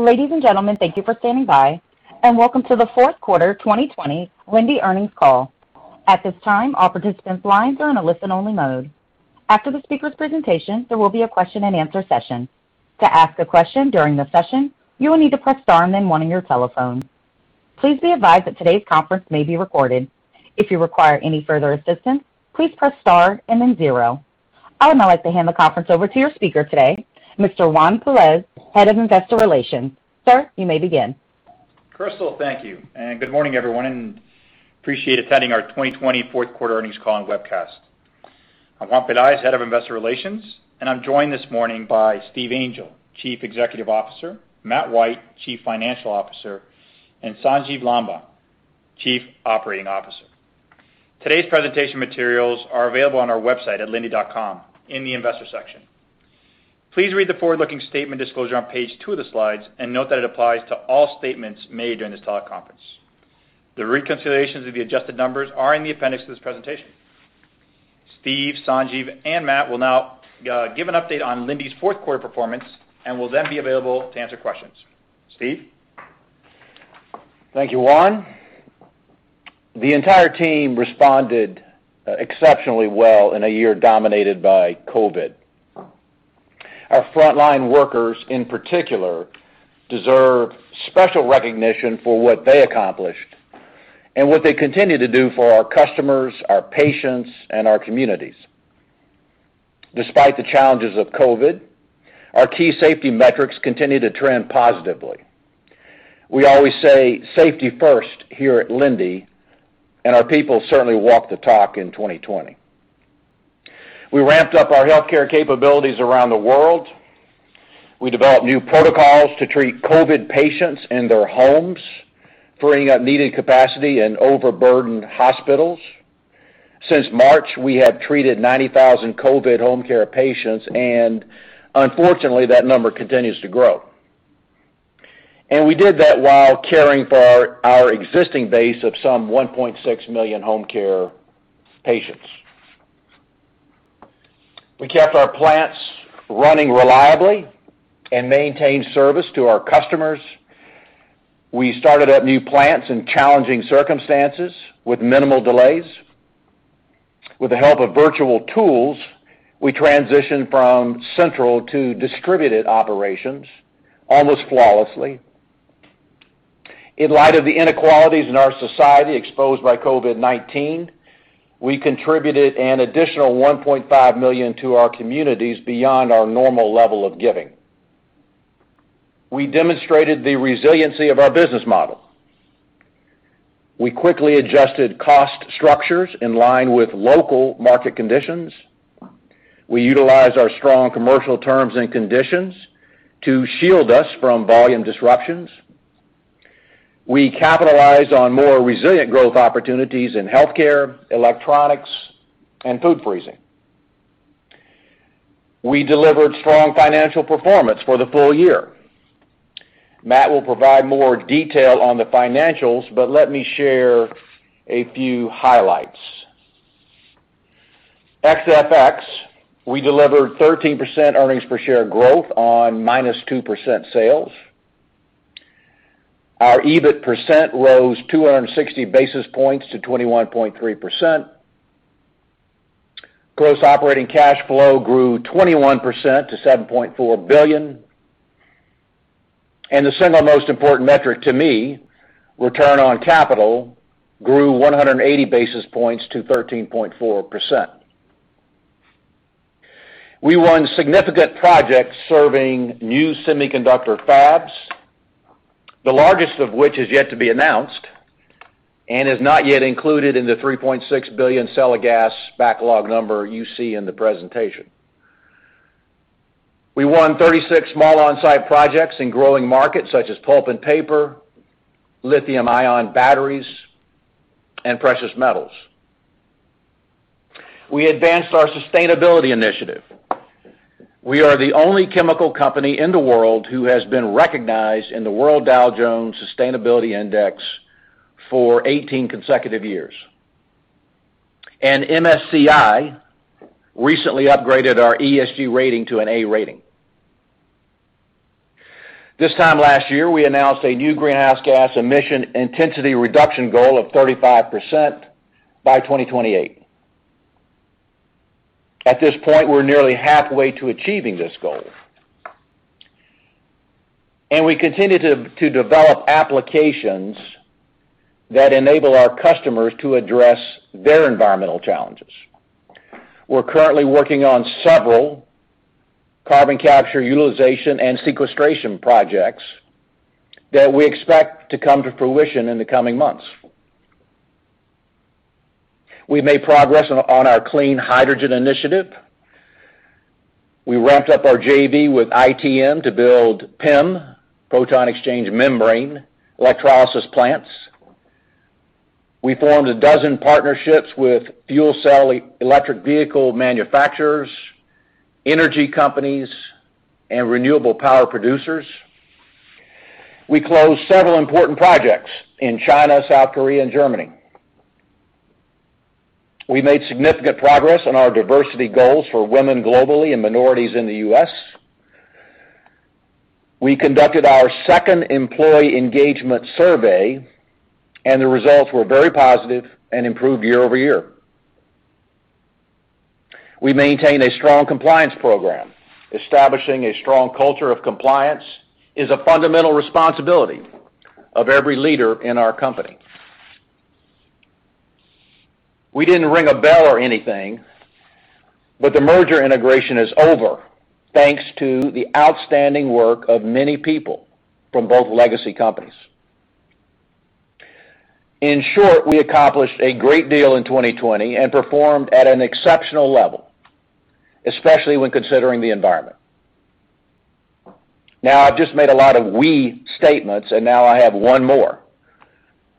Ladies and gentlemen, thank you for standing by and welcome to the fourth quarter 2020 Linde earnings call. At this time, all participants' lines are in a listen-only mode. After the speaker's presentation, there will be a question-and-answer session. To ask a question during the session, you will need to press star and then one on your telephone. Please be advised that today's conference may be recorded. If you require any further assistance, please press star and then zero. I would now like to hand the conference over to your speaker today, Mr. Juan Pelaez, Head of Investor Relations. Sir, you may begin. Crystal, thank you. Good morning, everyone, and appreciate attending our 2020 fourth quarter earnings call and webcast. I'm Juan Pelaez, Head of Investor Relations, and I'm joined this morning by Steve Angel, Chief Executive Officer, Matt White, Chief Financial Officer, and Sanjiv Lamba, Chief Operating Officer. Today's presentation materials are available on our website at linde.com in the investor section. Please read the forward-looking statement disclosure on page two of the slides and note that it applies to all statements made during this teleconference. The reconciliations of the adjusted numbers are in the appendix to this presentation. Steve, Sanjiv, and Matt will now give an update on Linde's fourth quarter performance and will then be available to answer questions. Steve? Thank you, Juan. The entire team responded exceptionally well in a year dominated by COVID. Our frontline workers, in particular, deserve special recognition for what they accomplished and what they continue to do for our customers, our patients, and our communities. Despite the challenges of COVID, our key safety metrics continue to trend positively. We always say safety first here at Linde, and our people certainly walked the talk in 2020. We ramped up our healthcare capabilities around the world. We developed new protocols to treat COVID patients in their homes, freeing up needed capacity in overburdened hospitals. Since March, we have treated 90,000 COVID home care patients, and unfortunately, that number continues to grow. We did that while caring for our existing base of some 1.6 million home care patients. We kept our plants running reliably and maintained service to our customers. We started up new plants in challenging circumstances with minimal delays. With the help of virtual tools, we transitioned from central to distributed operations almost flawlessly. In light of the inequalities in our society exposed by COVID-19, we contributed an additional $1.5 million to our communities beyond our normal level of giving. We demonstrated the resiliency of our business model. We quickly adjusted cost structures in line with local market conditions. We utilized our strong commercial terms and conditions to shield us from volume disruptions. We capitalized on more resilient growth opportunities in healthcare, electronics, and food freezing. We delivered strong financial performance for the full-year. Matt will provide more detail on the financials, but let me share a few highlights. XFX, we delivered 13% earnings per share growth on -2% sales. Our EBIT% rose 260 basis points to 21.3%. Gross operating cash flow grew 21% to $7.4 billion. The single most important metric to me, return on capital, grew 180 basis points to 13.4%. We won significant projects serving new semiconductor fabs, the largest of which is yet to be announced and is not yet included in the $3.6 billion sale of gas backlog number you see in the presentation. We won 36 small on-site projects in growing markets such as pulp and paper, lithium-ion batteries, and precious metals. We advanced our sustainability initiative. We are the only chemical company in the world that has been recognized in the Dow Jones Sustainability Index for 18 consecutive years. MSCI recently upgraded our ESG rating to an A rating. This time last year, we announced a new greenhouse gas emission intensity reduction goal of 35% by 2028. At this point, we're nearly halfway to achieving this goal. We continue to develop applications that enable our customers to address their environmental challenges. We're currently working on several carbon capture utilization and sequestration projects that we expect to come to fruition in the coming months. We made progress on our clean hydrogen initiative. We ramped up our JV with ITM to build PEM, proton exchange membrane, electrolysis plants. We formed 12 partnerships with fuel cell electric vehicle manufacturers, energy companies, and renewable power producers. We closed several important projects in China, South Korea, and Germany. We made significant progress on our diversity goals for women globally and minorities in the U.S. We conducted our second employee engagement survey. The results were very positive and improved year-over-year. We maintained a strong compliance program. Establishing a strong culture of compliance is a fundamental responsibility of every leader in our company. We didn't ring a bell or anything, but the merger integration is over, thanks to the outstanding work of many people from both legacy companies. In short, we accomplished a great deal in 2020 and performed at an exceptional level, especially when considering the environment. Now I've just made a lot of we statements, and now I have one more.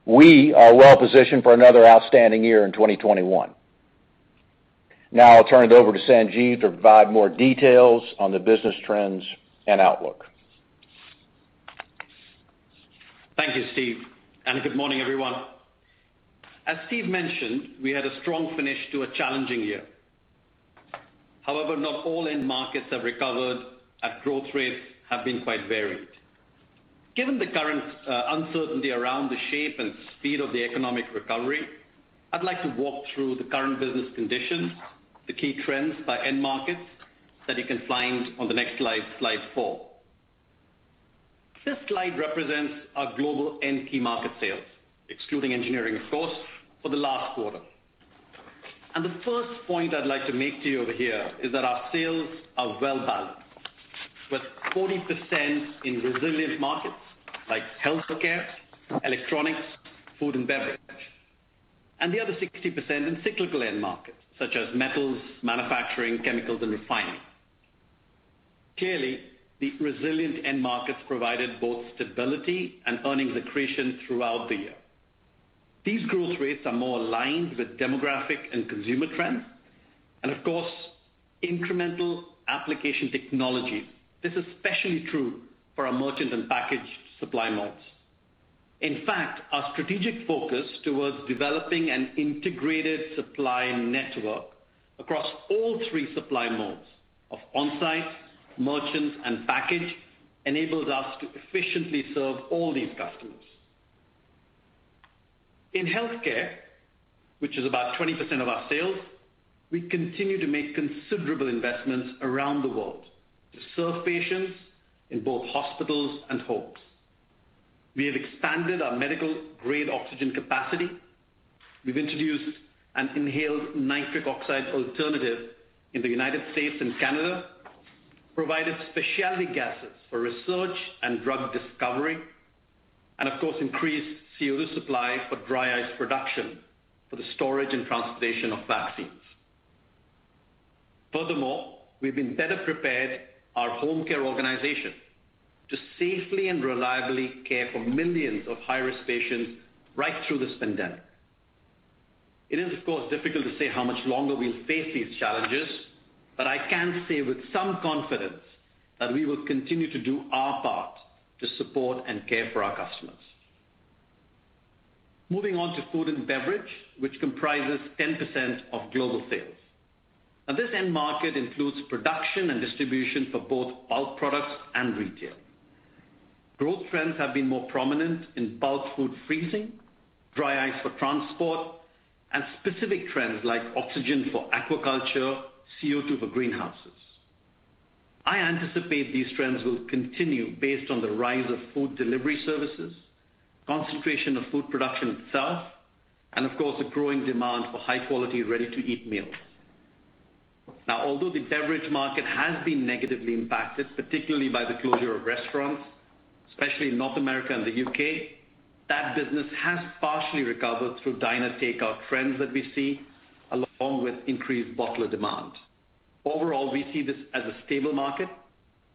We are well-positioned for another outstanding year in 2021. Now I'll turn it over to Sanjiv to provide more details on the business trends and outlook. Thank you, Steve. Good morning, everyone. As Steve mentioned, we had a strong finish to a challenging year. However, not all end markets have recovered and growth rates have been quite varied. Given the current uncertainty around the shape and speed of the economic recovery, I'd like to walk through the current business conditions, the key trends by end markets that you can find on the next slide four. This slide represents our global end key market sales, excluding engineering, of course, for the last quarter. The first point I'd like to make to you over here is that our sales are well-balanced, with 40% in resilient markets like healthcare, electronics, food, and beverage. The other 60% in cyclical end markets such as metals, manufacturing, chemicals, and refining. Clearly, the resilient end markets provided both stability and earnings accretion throughout the year. These growth rates are more aligned with demographic and consumer trends and of course, incremental application technology. This is especially true for our merchant and packaged supply modes. In fact, our strategic focus towards developing an integrated supply network across all three supply modes of on-site, merchant, and package enables us to efficiently serve all these customers. In healthcare, which is about 20% of our sales, we continue to make considerable investments around the world to serve patients in both hospitals and homes. We have expanded our medical-grade oxygen capacity. We have introduced an inhaled nitric oxide alternative in the United States and Canada, provided specialty gases for research and drug discovery, and of course, increased CO2 supply for dry ice production for the storage and transportation of vaccines. Furthermore, we've been better prepared our home care organization to safely and reliably care for millions of high-risk patients right through this pandemic. It is, of course, difficult to say how much longer we'll face these challenges, but I can say with some confidence that we will continue to do our part to support and care for our customers. Moving on to food and beverage, which comprises 10% of global sales. Now, this end market includes production and distribution for both bulk products and retail. Growth trends have been more prominent in bulk food freezing, dry ice for transport, and specific trends like oxygen for aquaculture, CO2 for greenhouses. I anticipate these trends will continue based on the rise of food delivery services, concentration of food production itself, and of course, a growing demand for high-quality, ready-to-eat meals. Now, although the beverage market has been negatively impacted, particularly by the closure of restaurants, especially in North America and the U.K., that business has partially recovered through diner takeout trends that we see, along with increased bottler demand. Overall, we see this as a stable market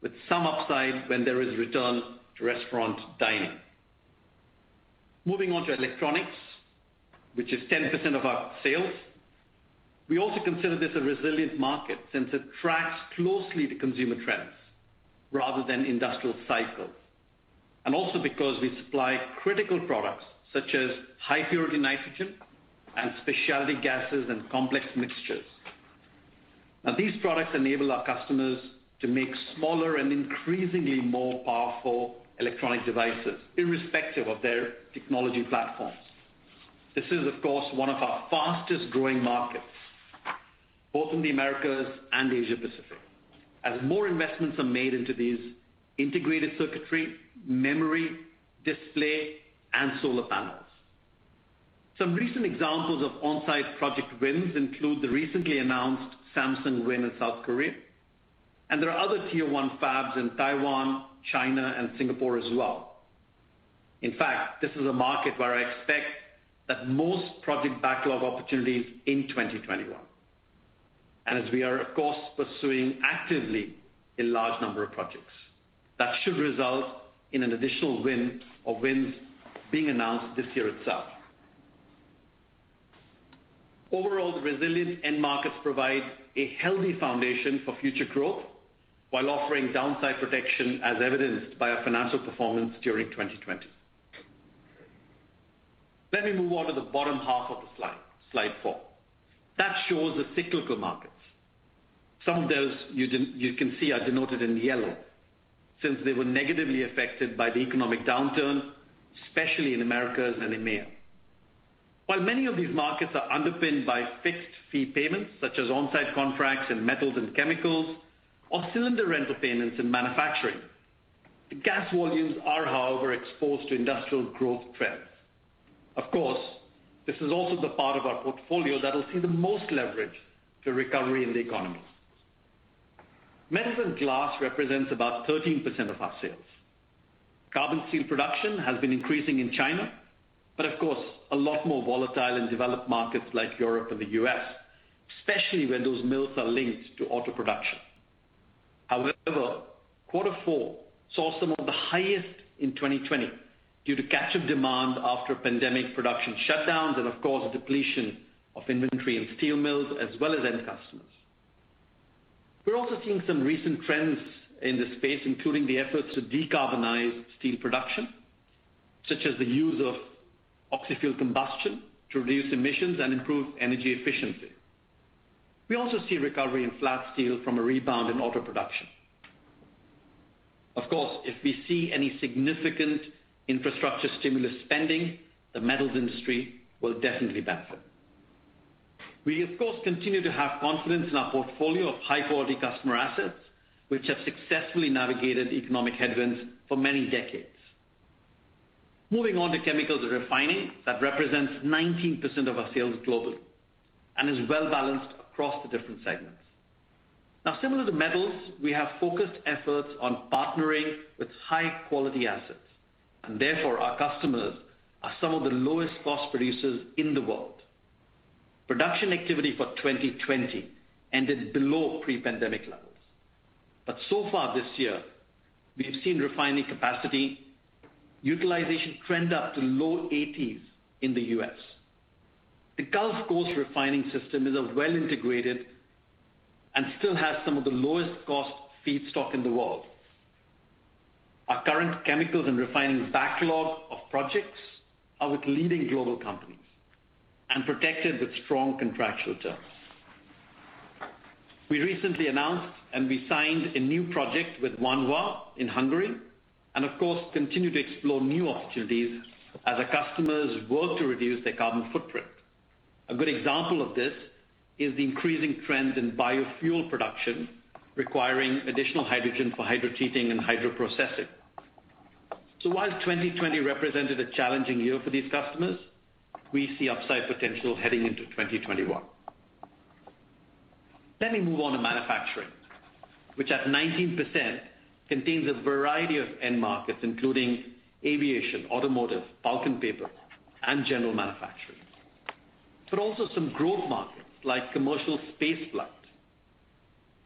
with some upside when there is a return to restaurant dining. Moving on to electronics, which is 10% of our sales. We also consider this a resilient market since it tracks closely to consumer trends rather than industrial cycles, and also because we supply critical products such as high-purity nitrogen and specialty gases and complex mixtures. Now, these products enable our customers to make smaller and increasingly more powerful electronic devices irrespective of their technology platforms. This is, of course, one of our fastest-growing markets, both in the Americas and Asia Pacific, as more investments are made into these integrated circuitry, memory, display, and solar panels. Some recent examples of on-site project wins include the recently announced Samsung win in South Korea. There are other Tier 1 fabs in Taiwan, China, and Singapore as well. In fact, this is a market where I expect that most project backlog opportunities in 2021. As we are, of course, pursuing actively a large number of projects, that should result in an additional win or wins being announced this year itself. Overall, the resilient end markets provide a healthy foundation for future growth while offering downside protection, as evidenced by our financial performance during 2020. Let me move on to the bottom half of the slide four. That shows the cyclical markets. Some of those you can see are denoted in yellow, since they were negatively affected by the economic downturn, especially in Americas and EMEA. While many of these markets are underpinned by fixed fee payments, such as on-site contracts in metals and chemicals, or cylinder rental payments in manufacturing, the gas volumes are, however, exposed to industrial growth trends. Of course, this is also the part of our portfolio that will see the most leverage to recovery in the economies. Metals and glass represents about 13% of our sales. Carbon steel production has been increasing in China, but of course, a lot more volatile in developed markets like Europe and the U.S., especially when those mills are linked to auto production. However, quarter four saw some of the highest in 2020 due to catch-up demand after pandemic production shutdowns and, of course, depletion of inventory in steel mills as well as end customers. We're also seeing some recent trends in this space, including the efforts to decarbonize steel production, such as the use of oxy-fuel combustion to reduce emissions and improve energy efficiency. We also see recovery in flat steel from a rebound in auto production. Of course, if we see any significant infrastructure stimulus spending, the metals industry will definitely benefit. We, of course, continue to have confidence in our portfolio of high-quality customer assets, which have successfully navigated economic headwinds for many decades. Moving on to chemicals and refining. That represents 19% of our sales globally and is well-balanced across the different segments. Now similar to metals, we have focused efforts on partnering with high-quality assets, and therefore, our customers are some of the lowest cost producers in the world. Production activity for 2020 ended below pre-pandemic level. So far this year, we have seen refining capacity utilization trend up to low 80s in the U.S. The Gulf Coast refining system is a well-integrated, and still has some of the lowest cost feedstock in the world. Our current chemicals and refining backlog of projects are with leading global companies and protected with strong contractual terms. We recently announced and we signed a new project with MOL in Hungary, and of course, continue to explore new opportunities as our customers work to reduce their carbon footprint. A good example of this is the increasing trend in biofuel production, requiring additional hydrogen for hydrotreating and hydroprocessing. While 2020 represented a challenging year for these customers, we see upside potential heading into 2021. Let me move on to manufacturing, which at 19%, contains a variety of end markets, including aviation, automotive, pulp and paper, and general manufacturing, but also some growth markets like commercial spaceflight.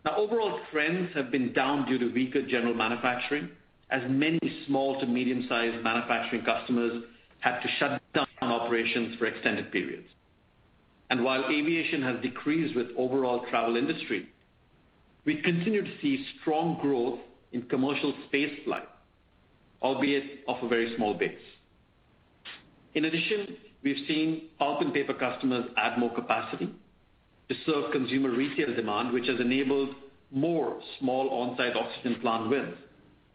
Now overall, trends have been down due to weaker general manufacturing, as many small to medium-sized manufacturing customers had to shut down operations for extended periods. While aviation has decreased with overall travel industry, we continue to see strong growth in commercial spaceflight, albeit off a very small base. In addition, we've seen pulp and paper customers add more capacity to serve consumer retail demand, which has enabled more small on-site oxygen plant wins,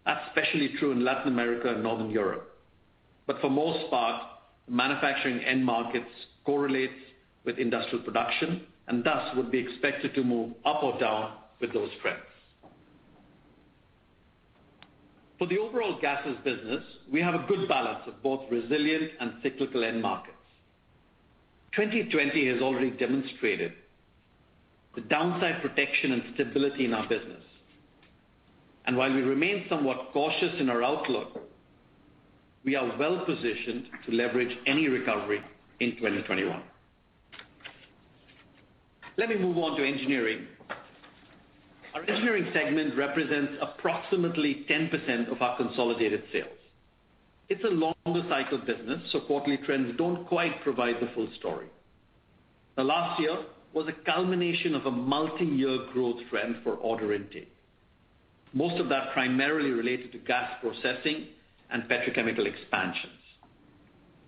especially true in Latin America and Northern Europe. For most part, manufacturing end markets correlates with industrial production and thus would be expected to move up or down with those trends. For the overall gases business, we have a good balance of both resilient and cyclical end markets. 2020 has already demonstrated the downside protection and stability in our business. While we remain somewhat cautious in our outlook, we are well-positioned to leverage any recovery in 2021. Let me move on to Engineering. Our Engineering segment represents approximately 10% of our consolidated sales. It's a longer cycle business, so quarterly trends don't quite provide the full story. The last year was a culmination of a multi-year growth trend for order intake. Most of that primarily related to gas processing and petrochemical expansions.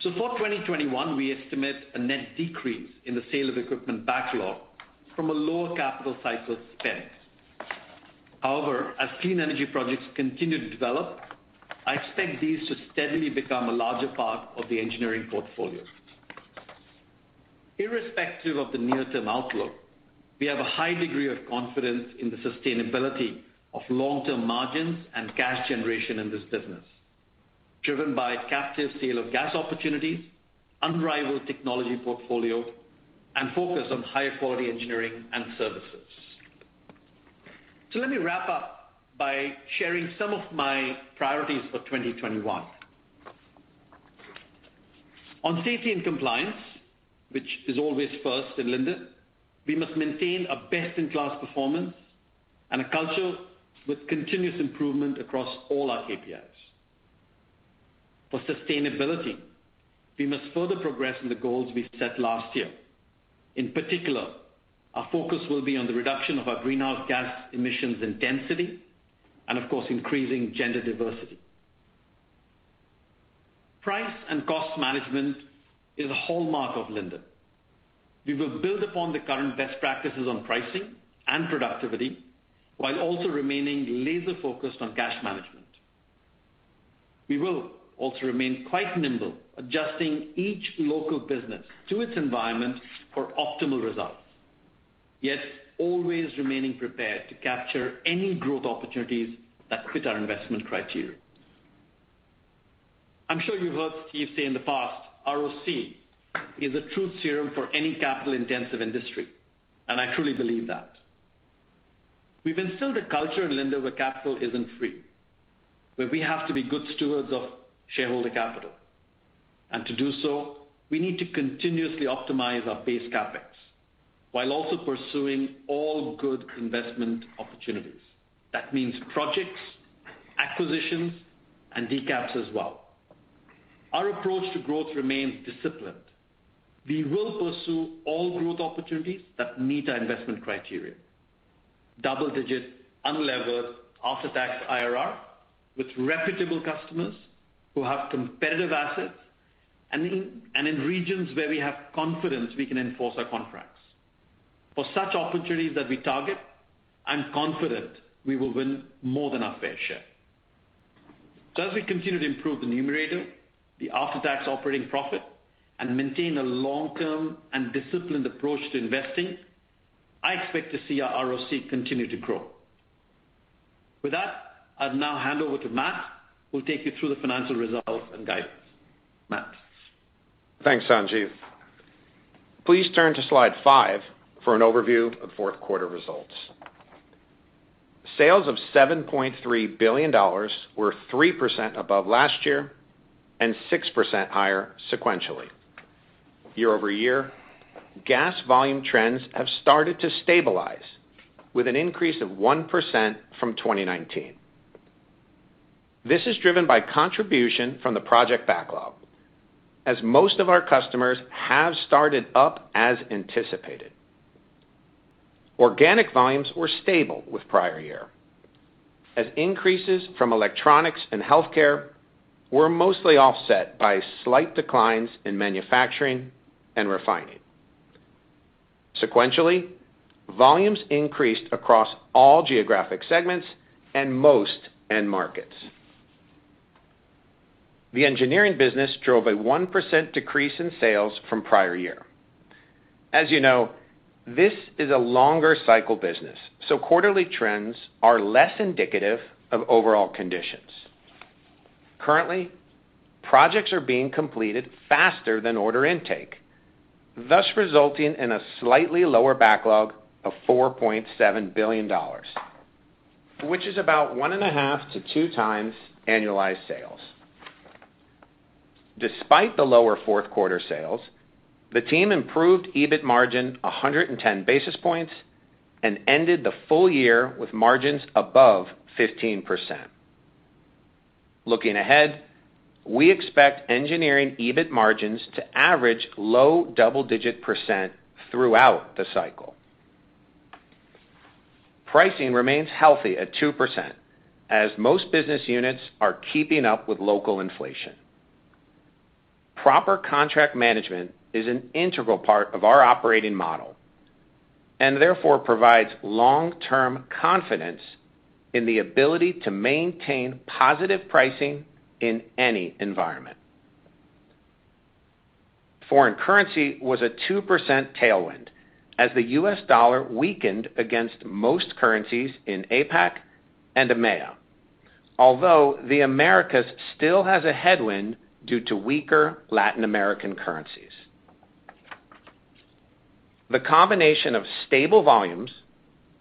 For 2021, we estimate a net decrease in the sale of equipment backlog from a lower capital cycle spend. As clean energy projects continue to develop, I expect these to steadily become a larger part of the engineering portfolio. Irrespective of the near-term outlook, we have a high degree of confidence in the sustainability of long-term margins and cash generation in this business, driven by captive sale of gas opportunities, unrivaled technology portfolio, and focus on higher quality engineering and services. Let me wrap up by sharing some of my priorities for 2021. On safety and compliance, which is always first in Linde, we must maintain a best-in-class performance and a culture with continuous improvement across all our KPIs. For sustainability, we must further progress in the goals we set last year. In particular, our focus will be on the reduction of our greenhouse gas emissions intensity. Of course, increasing gender diversity. Price and cost management is a hallmark of Linde. We will build upon the current best practices on pricing and productivity, while also remaining laser-focused on cash management. We will also remain quite nimble, adjusting each local business to its environment for optimal results. Yet, always remaining prepared to capture any growth opportunities that fit our investment criteria. I'm sure you've heard Steve say in the past, "ROC is a truth serum for any capital-intensive industry," and I truly believe that. We've instilled a culture at Linde where capital isn't free, where we have to be good stewards of shareholder capital. To do so, we need to continuously optimize our base CapEx, while also pursuing all good investment opportunities. That means projects, acquisitions, and Decaps as well. Our approach to growth remains disciplined. We will pursue all growth opportunities that meet our investment criteria. Double-digit, unlevered, after-tax IRR with reputable customers who have competitive assets and in regions where we have confidence we can enforce our contracts. For such opportunities that we target, I'm confident we will win more than our fair share. As we continue to improve the numerator, the after-tax operating profit, and maintain a long-term and disciplined approach to investing, I expect to see our ROC continue to grow. With that, I'll now hand over to Matt, who will take you through the financial results and guidance. Matt? Thanks, Sanjiv. Please turn to slide five for an overview of fourth quarter results. Sales of $7.3 billion were 3% above last year and 6% higher sequentially. Year-over-year, gas volume trends have started to stabilize with an increase of 1% from 2019. This is driven by contribution from the project backlog, as most of our customers have started up as anticipated. Organic volumes were stable with prior year, as increases from electronics and healthcare were mostly offset by slight declines in manufacturing and refining. Sequentially, volumes increased across all geographic segments and most end markets. The engineering business drove a 1% decrease in sales from prior year. As you know, this is a longer cycle business, so quarterly trends are less indicative of overall conditions. Currently, projects are being completed faster than order intake, thus resulting in a slightly lower backlog of $4.7 billion, which is about one and a half to two times annualized sales. Despite the lower fourth quarter sales, the team improved EBIT margin 110 basis points and ended the full-year with margins above 15%. Looking ahead, we expect engineering EBIT margins to average low double-digit percent throughout the cycle. Pricing remains healthy at 2% as most business units are keeping up with local inflation. Proper contract management is an integral part of our operating model and therefore provides long-term confidence in the ability to maintain positive pricing in any environment. Foreign currency was a 2% tailwind as the U.S. dollar weakened against most currencies in APAC and EMEA, although the Americas still has a headwind due to weaker Latin American currencies. The combination of stable volumes,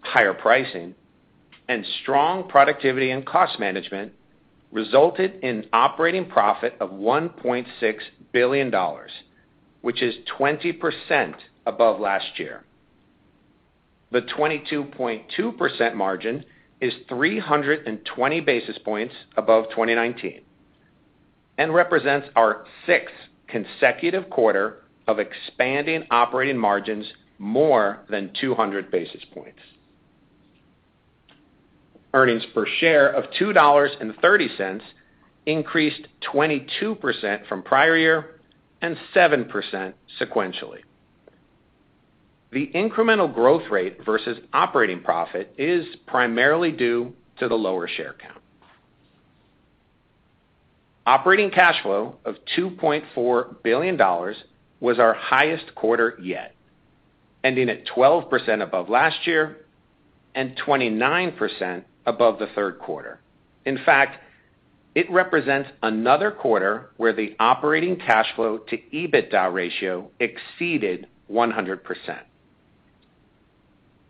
higher pricing, and strong productivity and cost management resulted in operating profit of $1.6 billion, which is 20% above last year. The 22.2% margin is 320 basis points above 2019 and represents our sixth consecutive quarter of expanding operating margins more than 200 basis points. Earnings per share of $2.30 increased 22% from prior year and 7% sequentially. The incremental growth rate versus operating profit is primarily due to the lower share count. Operating cash flow of $2.4 billion was our highest quarter yet, ending at 12% above last year and 29% above the third quarter. In fact, it represents another quarter where the operating cash flow to EBITDA ratio exceeded 100%.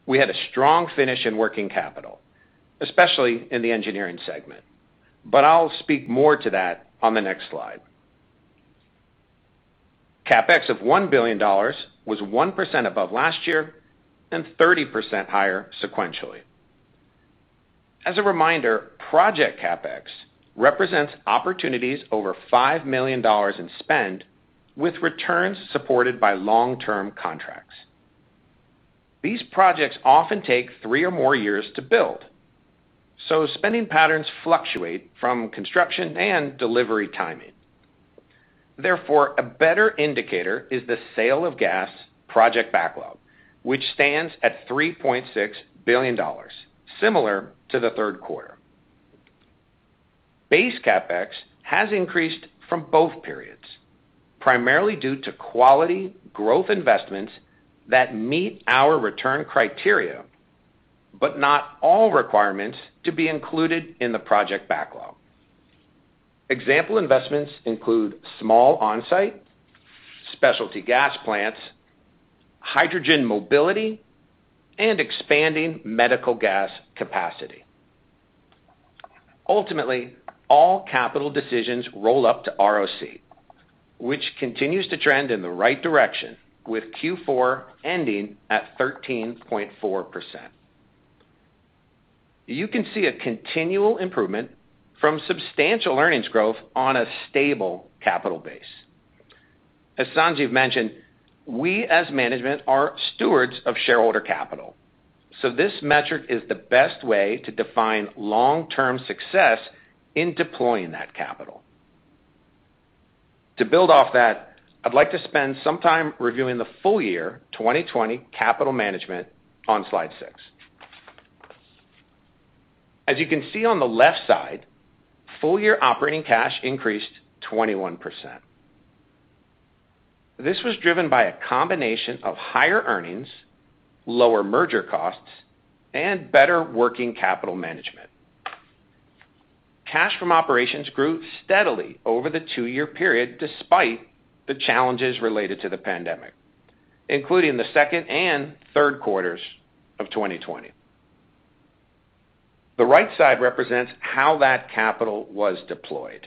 We had a strong finish in working capital, especially in the engineering segment, but I'll speak more to that on the next slide. CapEx of $1 billion was 1% above last year and 30% higher sequentially. As a reminder, project CapEx represents opportunities over $5 million in spend with returns supported by long-term contracts. These projects often take three or more years to build. Spending patterns fluctuate from construction and delivery timing. A better indicator is the sale of gas project backlog, which stands at $3.6 billion, similar to the third quarter. Base CapEx has increased from both periods, primarily due to quality growth investments that meet our return criteria, but not all requirements to be included in the project backlog. Example investments include small onsite, specialty gas plants, hydrogen mobility, and expanding medical gas capacity. All capital decisions roll up to ROC, which continues to trend in the right direction, with Q4 ending at 13.4%. You can see a continual improvement from substantial earnings growth on a stable capital base. As Sanjiv mentioned, we, as management, are stewards of shareholder capital, so this metric is the best way to define long-term success in deploying that capital. To build off that, I'd like to spend some time reviewing the full-year 2020 capital management on slide six. As you can see on the left side, full-year operating cash increased 21%. This was driven by a combination of higher earnings, lower merger costs, and better working capital management. Cash from operations grew steadily over the two-year period despite the challenges related to the pandemic, including the second and third quarters of 2020. The right side represents how that capital was deployed.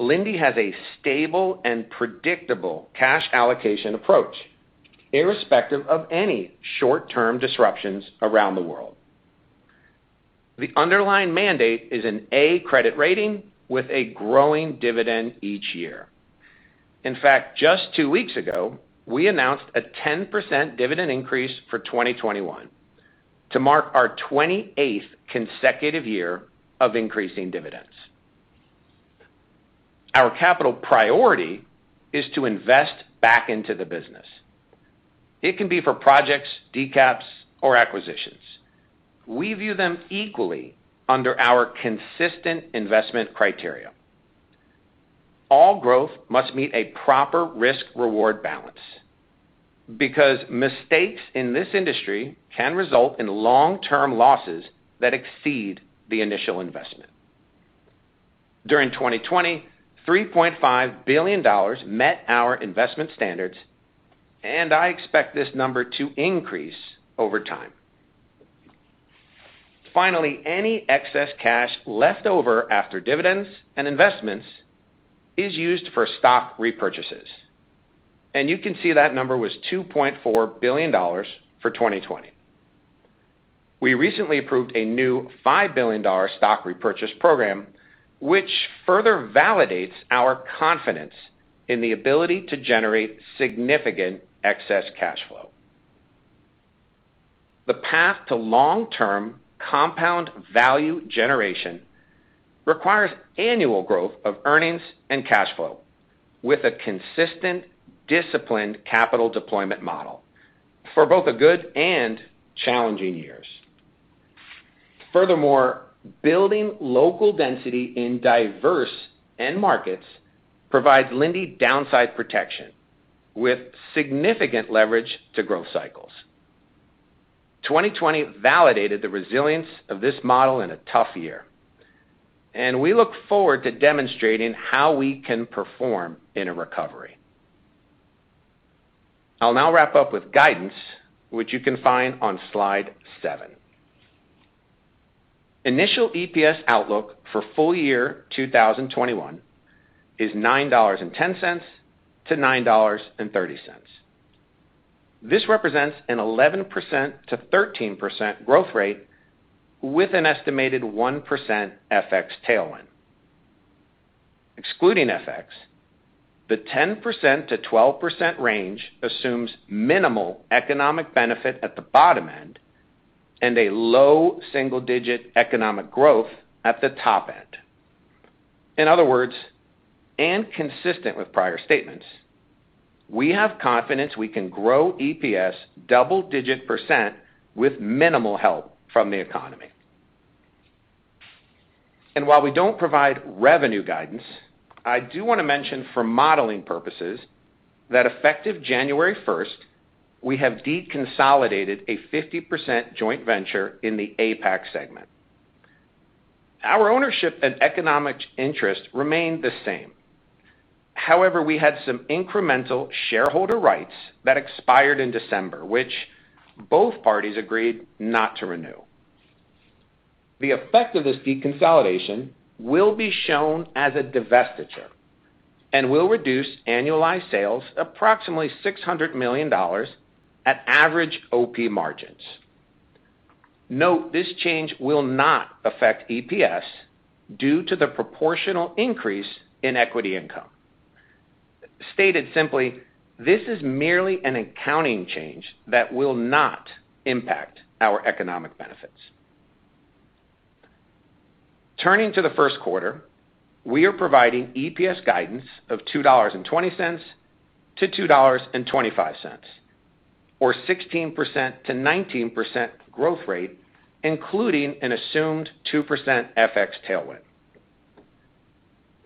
Linde has a stable and predictable cash allocation approach, irrespective of any short-term disruptions around the world. The underlying mandate is an A credit rating with a growing dividend each year. In fact, just two weeks ago, we announced a 10% dividend increase for 2021 to mark our 28th consecutive year of increasing dividends. Our capital priority is to invest back into the business. It can be for projects, decaps, or acquisitions. We view them equally under our consistent investment criteria. All growth must meet a proper risk-reward balance, because mistakes in this industry can result in long-term losses that exceed the initial investment. During 2020, $3.5 billion met our investment standards, and I expect this number to increase over time. Finally, any excess cash left over after dividends and investments is used for stock repurchases, and you can see that number was $2.4 billion for 2020. We recently approved a new $5 billion stock repurchase program, which further validates our confidence in the ability to generate significant excess cash flow. The path to long-term compound value generation requires annual growth of earnings and cash flow with a consistent, disciplined capital deployment model for both the good and challenging years. Furthermore, building local density in diverse end markets provides Linde downside protection with significant leverage to growth cycles. 2020 validated the resilience of this model in a tough year, and we look forward to demonstrating how we can perform in a recovery. I'll now wrap up with guidance, which you can find on slide seven. Initial EPS outlook for full-year 2021 is $9.10-$9.30. This represents an 11%-13% growth rate with an estimated 1% FX tailwind. Excluding FX, the 10%-12% range assumes minimal economic benefit at the bottom end and a low single-digit economic growth at the top end. In other words, consistent with prior statements, we have confidence we can grow EPS double-digit % with minimal help from the economy. While we don't provide revenue guidance, I do want to mention for modeling purposes that effective January 1st, we have deconsolidated a 50% joint venture in the APAC segment. Our ownership and economic interest remain the same. However, we had some incremental shareholder rights that expired in December, which both parties agreed not to renew. The effect of this deconsolidation will be shown as a divestiture and will reduce annualized sales approximately $600 million at average OP margins. Note this change will not affect EPS due to the proportional increase in equity income. Stated simply, this is merely an accounting change that will not impact our economic benefits. Turning to the first quarter, we are providing EPS guidance of $2.20-$2.25, or 16%-19% growth rate, including an assumed 2% FX tailwind.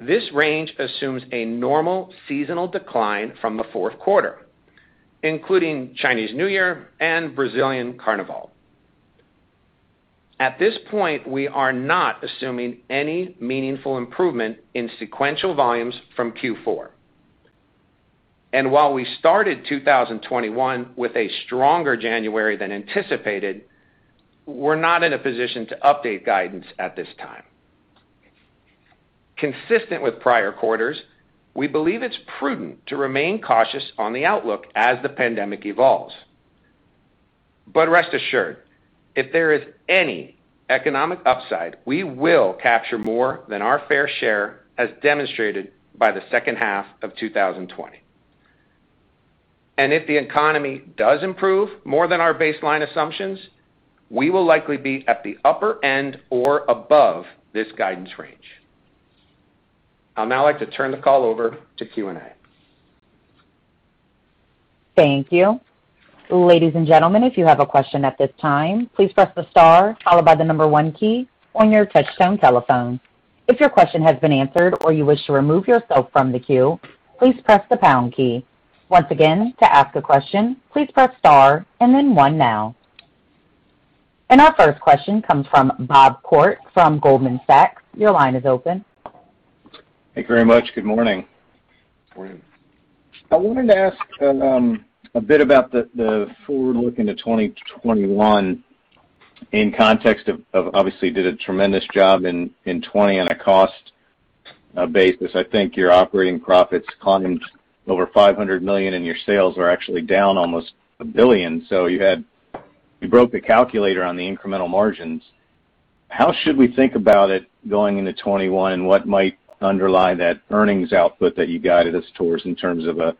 This range assumes a normal seasonal decline from the fourth quarter, including Chinese New Year and Brazilian Carnival. At this point, we are not assuming any meaningful improvement in sequential volumes from Q4. While we started 2021 with a stronger January than anticipated, we're not in a position to update guidance at this time. Consistent with prior quarters, we believe it's prudent to remain cautious on the outlook as the pandemic evolves. Rest assured, if there is any economic upside, we will capture more than our fair share, as demonstrated by the second half of 2020. If the economy does improve more than our baseline assumptions, we will likely be at the upper end or above this guidance range. I'll now like to turn the call over to Q&A. Our first question comes from Bob Koort from Goldman Sachs. Your line is open. Thank you very much. Good morning. Morning. I wanted to ask a bit about the forward look into 2021 in context of obviously, you did a tremendous job in 2020 on a cost basis. I think your operating profits climbed over $500 million and your sales are actually down almost $1 billion. You broke the calculator on the incremental margins. How should we think about it going into 2021? What might underlie that earnings output that you guided us towards in terms of a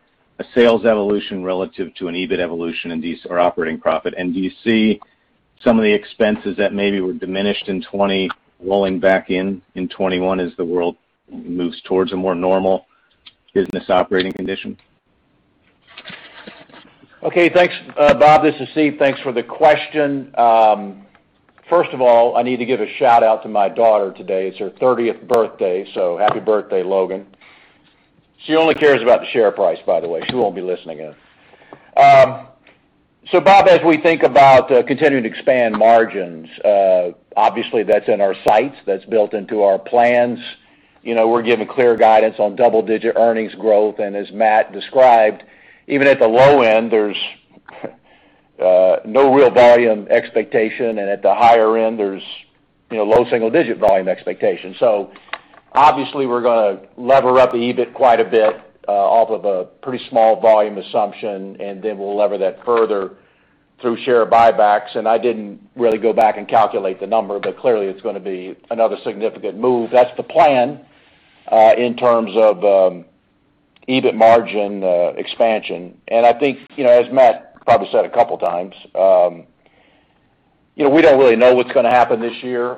sales evolution relative to an EBIT evolution in these or operating profit? Do you see some of the expenses that maybe were diminished in 2020 rolling back in in 2021 as the world moves towards a more normal business operating condition? Okay, thanks, Bob. This is Steve. Thanks for the question. First of all, I need to give a shout-out to my daughter today. It's her 30th birthday, so happy birthday, Logan. She only cares about the share price, by the way. She won't be listening in. Bob, as we think about continuing to expand margins, obviously that's in our sights. That's built into our plans. We're giving clear guidance on double-digit earnings growth. As Matt described, even at the low-end, there's no real volume expectation, and at the higher end, there's low single-digit volume expectation. Obviously we're going to lever up the EBIT quite a bit off of a pretty small volume assumption, and then we'll lever that further through share buybacks. I didn't really go back and calculate the number, but clearly it's going to be another significant move. That's the plan in terms of EBIT margin expansion. I think as Matt probably said a couple of times, we don't really know what's going to happen this year.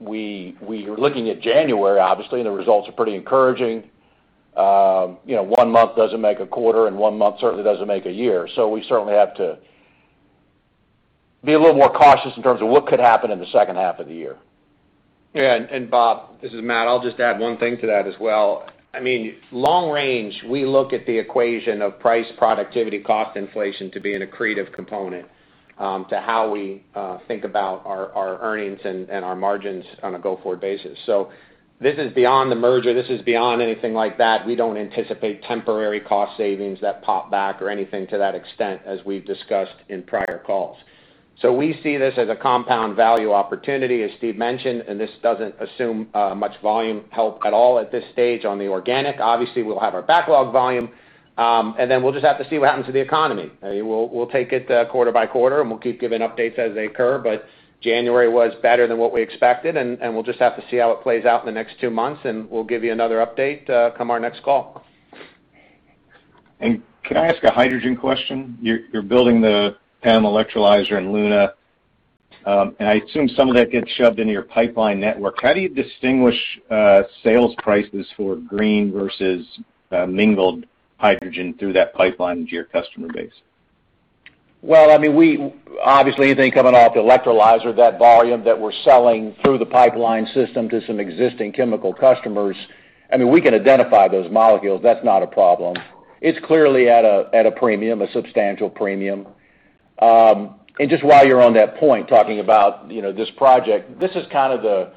We are looking at January, obviously, and the results are pretty encouraging. One month doesn't make a quarter, and one month certainly doesn't make a year. We certainly have to be a little more cautious in terms of what could happen in the second half of the year. Yeah. Bob, this is Matt. I'll just add one thing to that as well. Long range, we look at the equation of price productivity, cost inflation to be an accretive component to how we think about our earnings and our margins on a go-forward basis. This is beyond the merger. This is beyond anything like that. We don't anticipate temporary cost savings that pop back or anything to that extent, as we've discussed in prior calls. We see this as a compound value opportunity, as Steve mentioned, and this doesn't assume much volume help at all at this stage on the organic. Obviously, we'll have our backlog volume, and then we'll just have to see what happens to the economy. We'll take it quarter by quarter, and we'll keep giving updates as they occur. January was better than what we expected, and we'll just have to see how it plays out in the next two months, and we'll give you another update come our next call. Could I ask a hydrogen question? You're building the PEM electrolyzer in Leuna, and I assume some of that gets shoved into your pipeline network. How do you distinguish sales prices for green versus mingled hydrogen through that pipeline to your customer base? Well, obviously anything coming off the electrolyzer, that volume that we're selling through the pipeline system to some existing chemical customers, we can identify those molecules. That's not a problem. It's clearly at a premium, a substantial premium. Just while you're on that point, talking about this project. This is kind of the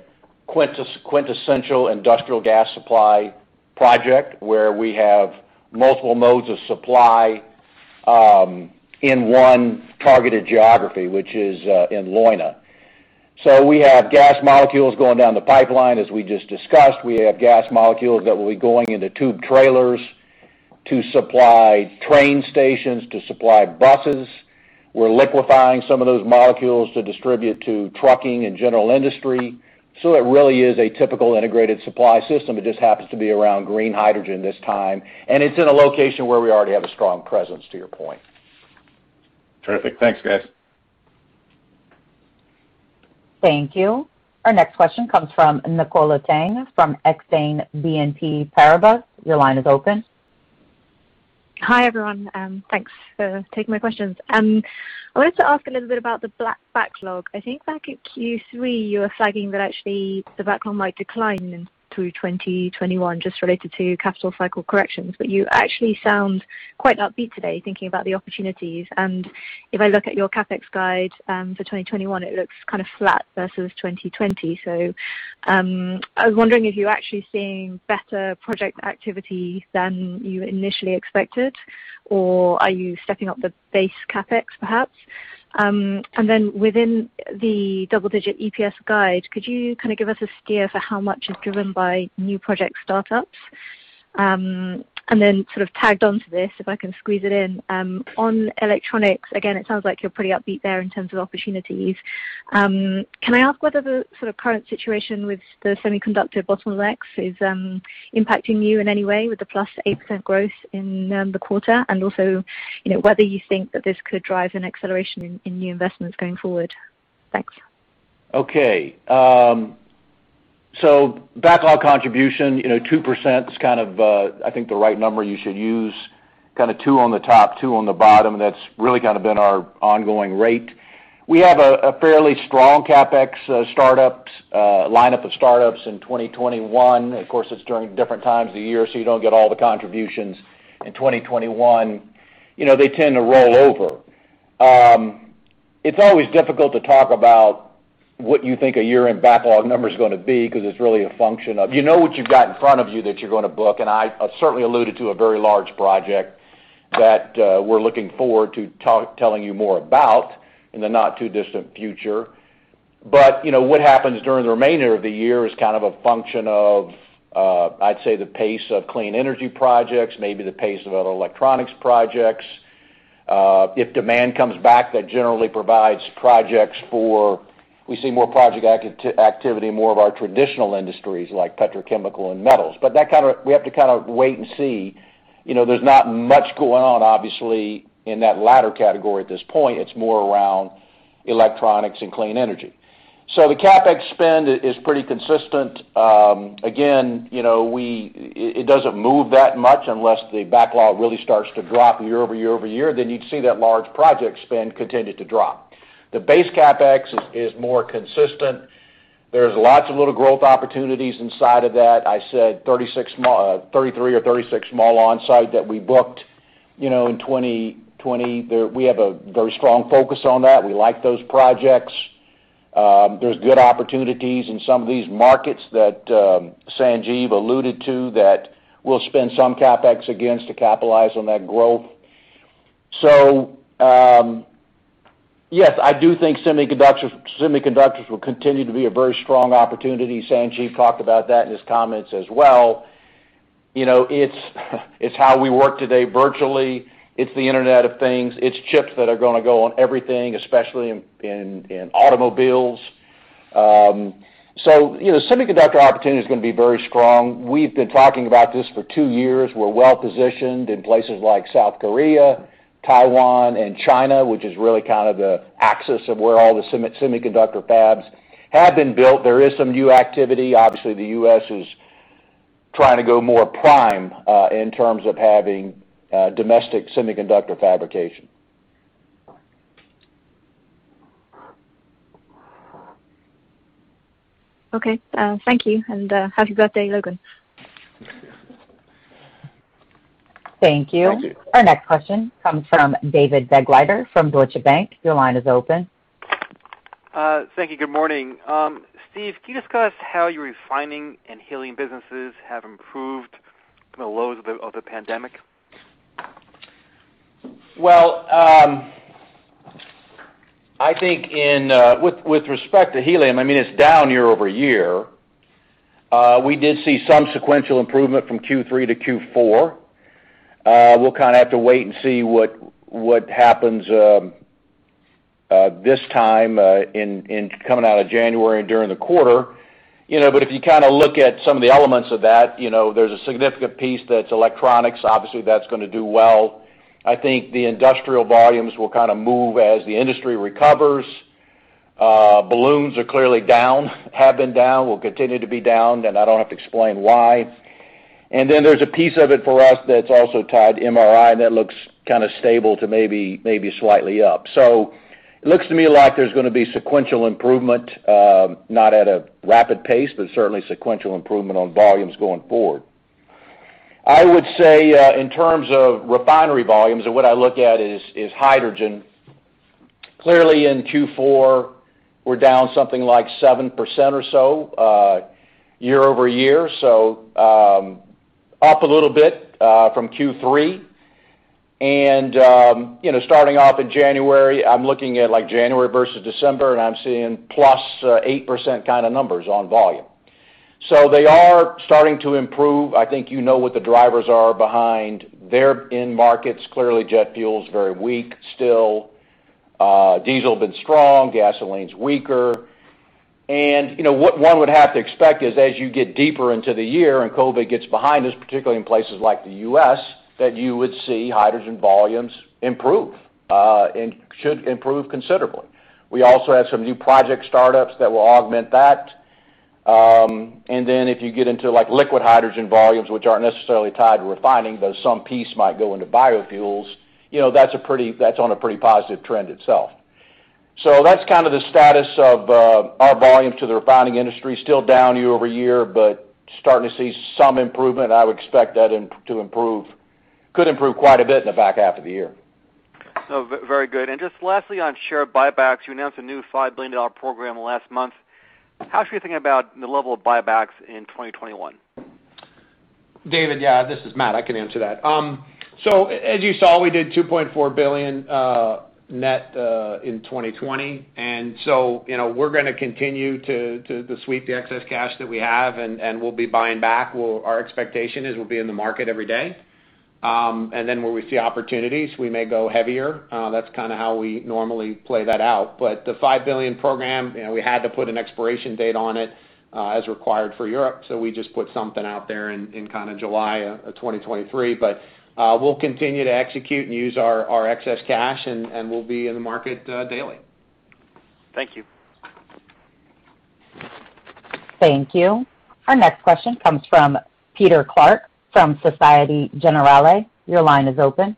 quintessential industrial gas supply project where we have multiple modes of supply in one targeted geography, which is in Leuna. We have gas molecules going down the pipeline, as we just discussed. We have gas molecules that will be going into tube trailers to supply train stations, to supply buses. We're liquefying some of those molecules to distribute to trucking and general industry. It really is a typical integrated supply system. It just happens to be around green hydrogen this time, and it's in a location where we already have a strong presence, to your point. Terrific. Thanks, guys. Thank you. Our next question comes from Nicola Tang from Exane BNP Paribas. Your line is open. Hi, everyone. Thanks for taking my questions. I wanted to ask a little bit about the backlog. I think back in Q3, you were flagging that actually the backlog might decline through 2021 just related to capital cycle corrections. You actually sound quite upbeat today thinking about the opportunities. If I look at your CapEx guide for 2021, it looks kind of flat versus 2020. I was wondering if you're actually seeing better project activity than you initially expected or are you stepping up the base CapEx perhaps? Within the double-digit EPS guide, could you kind of give us a steer for how much is driven by new project startups? Sort of tagged onto this, if I can squeeze it in, on electronics, again, it sounds like you're pretty upbeat there in terms of opportunities. Can I ask whether the sort of current situation with the semiconductor bottlenecks is impacting you in any way with the +8% growth in the quarter? Also, whether you think that this could drive an acceleration in new investments going forward? Thanks. Okay. Backlog contribution, 2% is kind of I think the right number you should use, kind of two on the top, two on the bottom. That's really kind of been our ongoing rate. We have a fairly strong CapEx lineup of startups in 2021. Of course, it's during different times of the year, so you don't get all the contributions in 2021. They tend to roll over. It's always difficult to talk about what you think a year-end backlog number's going to be because it's really a function of you know what you've got in front of you that you're going to book. I certainly alluded to a very large project that we're looking forward to telling you more about in the not-too-distant future. What happens during the remainder of the year is kind of a function of, I'd say, the pace of clean energy projects, maybe the pace of other electronics projects. If demand comes back, that generally provides projects, we see more project activity in more of our traditional industries like petrochemical and metals. We have to kind of wait and see. There's not much going on, obviously, in that latter category at this point. It's more around electronics and clean energy. The CapEx spend is pretty consistent. Again, it doesn't move that much unless the backlog really starts to drop year-over-year over year. You'd see that large project spend continue to drop. The base CapEx is more consistent. There's lots of little growth opportunities inside of that. I said 33 or 36 small onsite that we booked in 2020. We have a very strong focus on that. We like those projects. There's good opportunities in some of these markets that Sanjiv alluded to that we'll spend some CapEx against to capitalize on that growth. Yes, I do think semiconductors will continue to be a very strong opportunity. Sanjiv talked about that in his comments as well. It's how we work today virtually. It's the Internet of Things. It's chips that are going to go on everything, especially in automobiles. Semiconductor opportunity is going to be very strong. We've been talking about this for two years. We're well-positioned in places like South Korea, Taiwan, and China, which is really kind of the axis of where all the semiconductor fabs have been built. There is some new activity. Obviously, the U.S. is trying to go more prime in terms of having domestic semiconductor fabrication. Okay. Thank you. Happy birthday, Logan. Thank you. Thank you. Our next question comes from David Begleiter from Deutsche Bank. Your line is open. Thank you. Good morning. Steve, can you discuss how your refining and helium businesses have improved from the lows of the pandemic? Well, I think with respect to helium, I mean, it's down year-over-year. We did see some sequential improvement from Q3 to Q4. We'll kind of have to wait and see what happens this time coming out of January and during the quarter. If you kind of look at some of the elements of that, there's a significant piece that's electronics. Obviously, that's going to do well. I think the industrial volumes will kind of move as the industry recovers. Balloons are clearly down, have been down, will continue to be down, and I don't have to explain why. Then there's a piece of it for us that's also tied to MRI, and that looks kind of stable to maybe slightly up. It looks to me like there's going to be sequential improvement, not at a rapid pace, but certainly sequential improvement on volumes going forward. I would say, in terms of refinery volumes and what I look at is hydrogen. Clearly in Q4, we're down something like 7% or so year-over-year, so up a little bit from Q3. Starting off in January, I'm looking at January versus December, and I'm seeing plus 8% kind of numbers on volume. They are starting to improve. I think you know what the drivers are behind their end markets. Clearly, jet fuel is very weak still. Diesel has been strong. Gasoline's weaker. What one would have to expect is as you get deeper into the year and COVID-19 gets behind us, particularly in places like the U.S., that you would see hydrogen volumes improve, and should improve considerably. We also have some new project startups that will augment that. If you get into liquid hydrogen volumes, which aren't necessarily tied to refining, though some piece might go into biofuels, that's on a pretty positive trend itself. That's kind of the status of our volume to the refining industry. Still down year-over-year, but starting to see some improvement. I would expect that to improve. Could improve quite a bit in the back half of the year. Very good. Just lastly, on share buybacks, you announced a new $5 billion program last month. How should we think about the level of buybacks in 2021? David? Yeah, this is Matt. I can answer that. As you saw, we did $2.4 billion net in 2020. We're going to continue to sweep the excess cash that we have, and we'll be buying back. Our expectation is we'll be in the market every day. Where we see opportunities, we may go heavier. That's kind of how we normally play that out. The $5 billion program, we had to put an expiration date on it as required for Europe, so we just put something out there in July of 2023. We'll continue to execute and use our excess cash, and we'll be in the market daily. Thank you. Thank you. Our next question comes from Peter Clark from Societe Generale. Your line is open.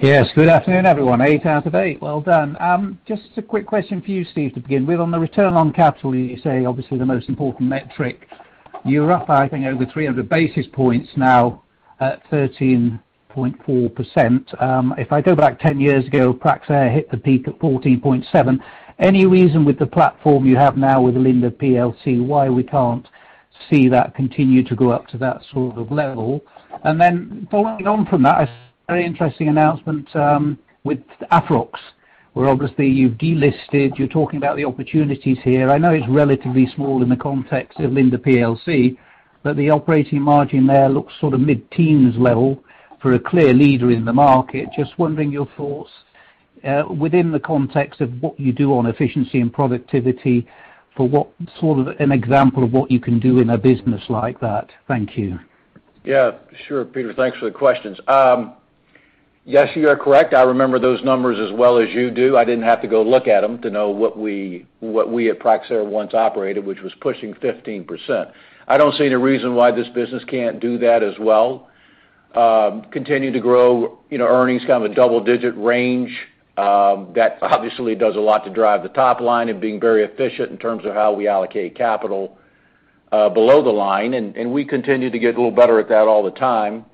Yes, good afternoon, everyone. Eight out of eight. Well done. Just a quick question for you, Steve, to begin with. On the return on capital, you say obviously the most important metric. You're up, I think, over 300 basis points now at 13.4%. If I go back 10 years ago, Praxair hit the peak at 14.7%. Any reason with the platform you have now with Linde plc why we can't see that continue to go up to that sort of level? Following on from that, I saw a very interesting announcement with Afrox, where obviously you've delisted. You're talking about the opportunities here. I know it's relatively small in the context of Linde plc, the operating margin there looks sort of mid-teens level for a clear leader in the market. Just wondering your thoughts within the context of what you do on efficiency and productivity for what sort of an example of what you can do in a business like that? Thank you. Yeah, sure, Peter. Thanks for the questions. Yes, you are correct. I remember those numbers as well as you do. I didn't have to go look at them to know what we at Praxair once operated, which was pushing 15%. I don't see any reason why this business can't do that as well. Continue to grow earnings kind of a double-digit range. That obviously does a lot to drive the top line and being very efficient in terms of how we allocate capital below the line, and we continue to get a little better at that all the time.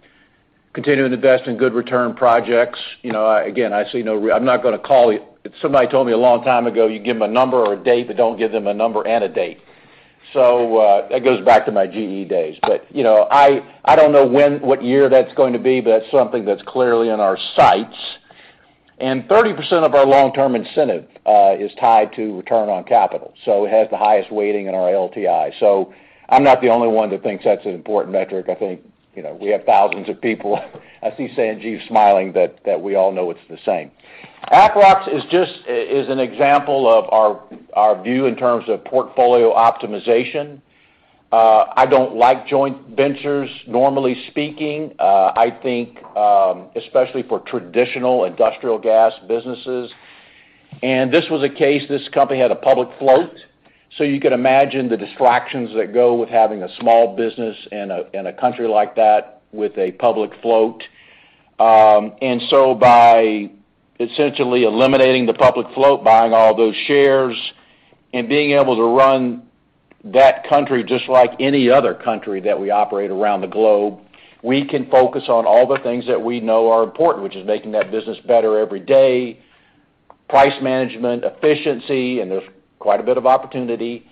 Continue to invest in good return projects. I'm not going to. Somebody told me a long time ago, "You give them a number or a date, but don't give them a number and a date." That goes back to my GE days. I don't know what year that's going to be, but that's something that's clearly in our sights. 30% of our long-term incentive is tied to return on capital. It has the highest weighting in our LTI. I'm not the only one that thinks that's an important metric. I think we have thousands of people. I see Sanjiv smiling that we all know it's the same. Afrox is an example of our view in terms of portfolio optimization. I don't like joint ventures normally speaking, I think especially for traditional industrial gas businesses. This was a case, this company had a public float. You could imagine the distractions that go with having a small business in a country like that with a public float. By essentially eliminating the public float, buying all those shares, and being able to run that country just like any other country that we operate around the globe, we can focus on all the things that we know are important, making that business better every day, price management, efficiency, and there's quite a bit of opportunity,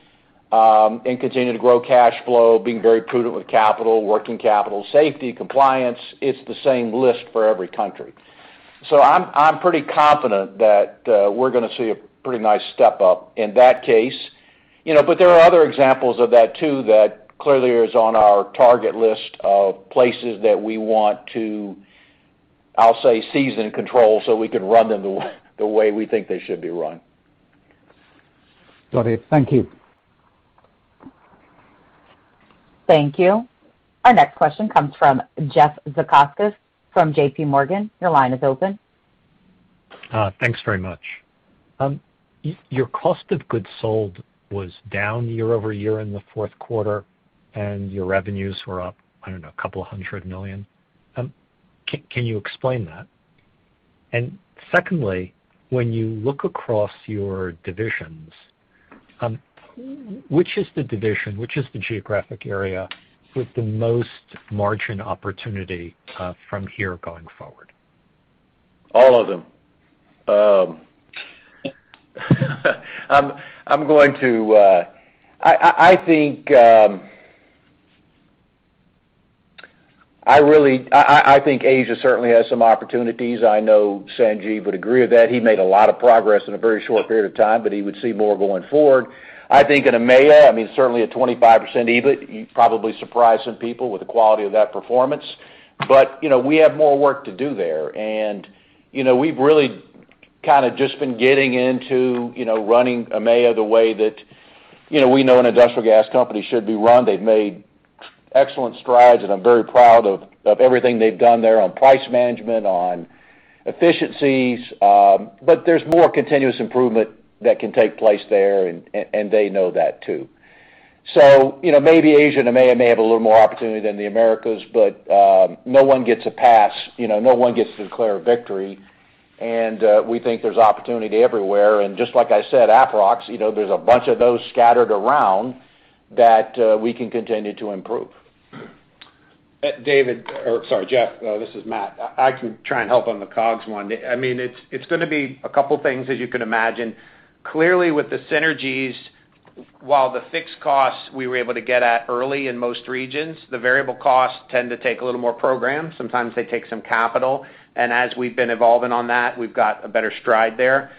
and continue to grow cash flow, being very prudent with capital, working capital, safety, compliance. It's the same list for every country. I'm pretty confident that we're going to see a pretty nice step-up in that case. There are other examples of that too, that clearly is on our target list of places that we want to, I'll say, seize and control so we can run them the way we think they should be run. Got it. Thank you. Thank you. Our next question comes from Jeff Zekauskas from JPMorgan. Your line is open. Thanks very much. Your cost of goods sold was down year-over-year in the fourth quarter, and your revenues were up, I don't know, a couple of hundred million. Can you explain that? Secondly, when you look across your divisions, which is the division, which is the geographic area with the most margin opportunity from here going forward? All of them. I think Asia certainly has some opportunities. I know Sanjiv would agree with that. He made a lot of progress in a very short period of time, but he would see more going forward. I think in EMEA, certainly a 25% EBIT, probably surprised some people with the quality of that performance. We have more work to do there. We've really kind of just been getting into running EMEA the way that we know an industrial gas company should be run. They've made excellent strides, and I'm very proud of everything they've done there on price management, on efficiencies. There's more continuous improvement that can take place there, and they know that, too. Maybe Asia and EMEA may have a little more opportunity than the Americas, but no one gets a pass. No one gets to declare a victory, and we think there's opportunity everywhere. Just like I said, Afrox, there's a bunch of those scattered around that we can continue to improve. David, or sorry, Jeff, this is Matt. I can try and help on the COGS one. It's going to be a couple things, as you can imagine. Clearly, with the synergies, while the fixed costs we were able to get at early in most regions, the variable costs tend to take a little more program. Sometimes they take some capital. As we've been evolving on that, we've got a better stride there.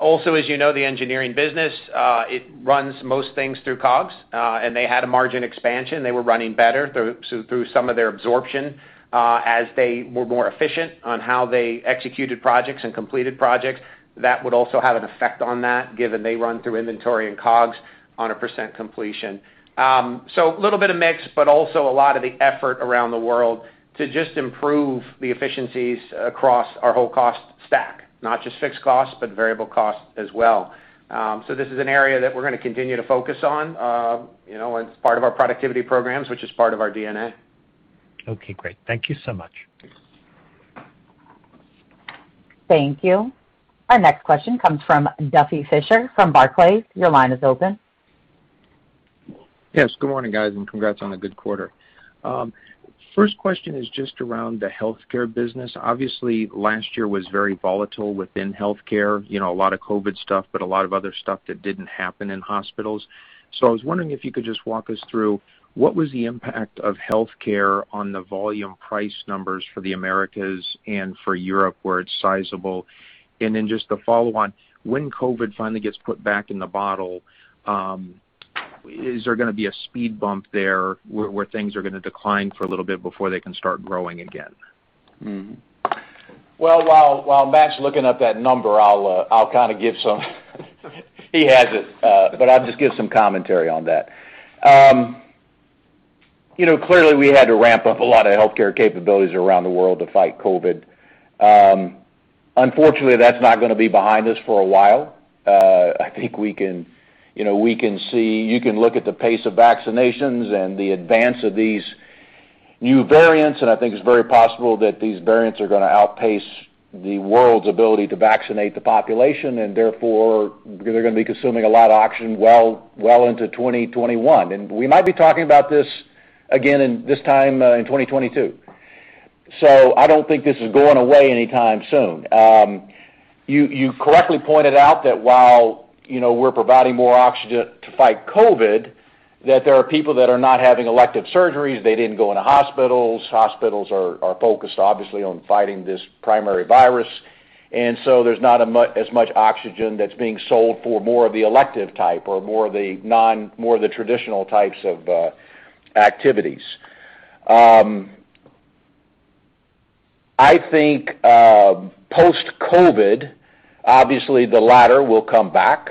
Also, as you know, the engineering business, it runs most things through COGS. They had a margin expansion. They were running better through some of their absorption as they were more efficient on how they executed projects and completed projects. That would also have an effect on that, given they run through inventory and COGS on a percent completion. A little bit of mix, but also a lot of the effort around the world to just improve the efficiencies across our whole cost stack, not just fixed costs, but variable costs as well. This is an area that we're going to continue to focus on. It's part of our productivity programs, which is part of our DNA. Okay, great. Thank you so much. Thank you. Our next question comes from Duffy Fischer from Barclays. Your line is open. Yes, good morning, guys, and congrats on a good quarter. First question is just around the healthcare business. Obviously, last year was very volatile within healthcare. A lot of COVID stuff, but a lot of other stuff that didn't happen in hospitals. I was wondering if you could just walk us through what was the impact of healthcare on the volume price numbers for the Americas and for Europe, where it's sizable? Just to follow on, when COVID finally gets put back in the bottle, is there going to be a speed bump there where things are going to decline for a little bit before they can start growing again? Well, while Matt's looking up that number, He has it. I'll just give some commentary on that. Clearly, we had to ramp up a lot of healthcare capabilities around the world to fight COVID. Unfortunately, that's not going to be behind us for a while. I think you can look at the pace of vaccinations and the advance of these new variants, I think it's very possible that these variants are going to outpace the world's ability to vaccinate the population, therefore, they're going to be consuming a lot of oxygen well into 2021. We might be talking about this again this time in 2022. I don't think this is going away anytime soon. You correctly pointed out that while we're providing more oxygen to fight COVID, that there are people that are not having elective surgeries. They didn't go into hospitals. Hospitals are focused, obviously, on fighting this primary virus. There's not as much oxygen that's being sold for more of the elective type or more of the traditional types of activities. I think post-COVID, obviously, the latter will come back.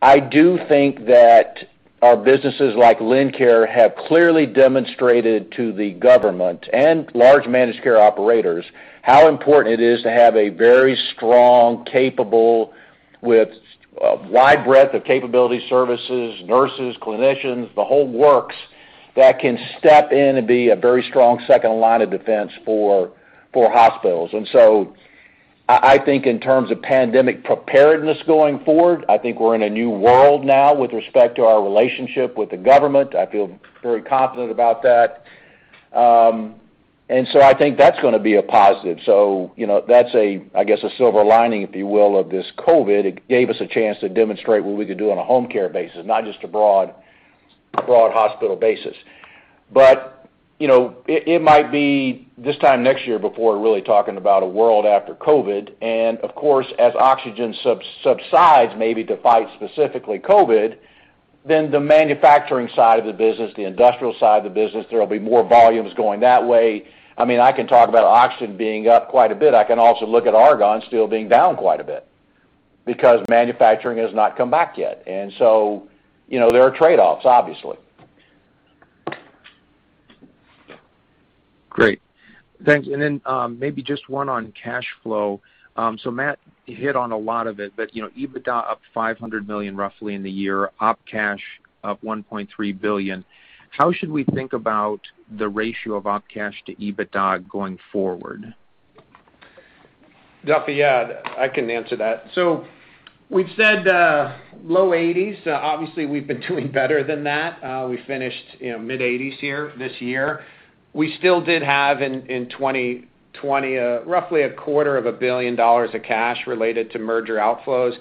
I do think that our businesses like Lincare have clearly demonstrated to the government and large managed care operators how important it is to have a very strong, capable, with a wide breadth of capability services, nurses, clinicians, the whole works, that can step in and be a very strong second line of defense for hospitals. I think in terms of pandemic preparedness going forward, I think we're in a new world now with respect to our relationship with the government. I feel very confident about that. I think that's going to be a positive. That's, I guess, a silver lining, if you will, of this COVID-19. It gave us a chance to demonstrate what we could do on a home care basis, not just a broad hospital basis. It might be this time next year before we're really talking about a world after COVID-19, and of course, as oxygen subsides maybe to fight specifically COVID-19, the manufacturing side of the business, the industrial side of the business, there will be more volumes going that way. I can talk about oxygen being up quite a bit. I can also look at argon still being down quite a bit because manufacturing has not come back yet. There are trade-offs, obviously. Great. Thanks. Then maybe just one on cash flow. Matt hit on a lot of it, but EBITDA up $500 million roughly in the year, op cash up $1.3 billion. How should we think about the ratio of op cash to EBITDA going forward? Duffy, yeah, I can answer that. We've said low 80s. Obviously, we've been doing better than that. We finished mid-80s here this year. We still did have, in 2020, roughly a quarter of a billion dollars of cash related to merger outflows.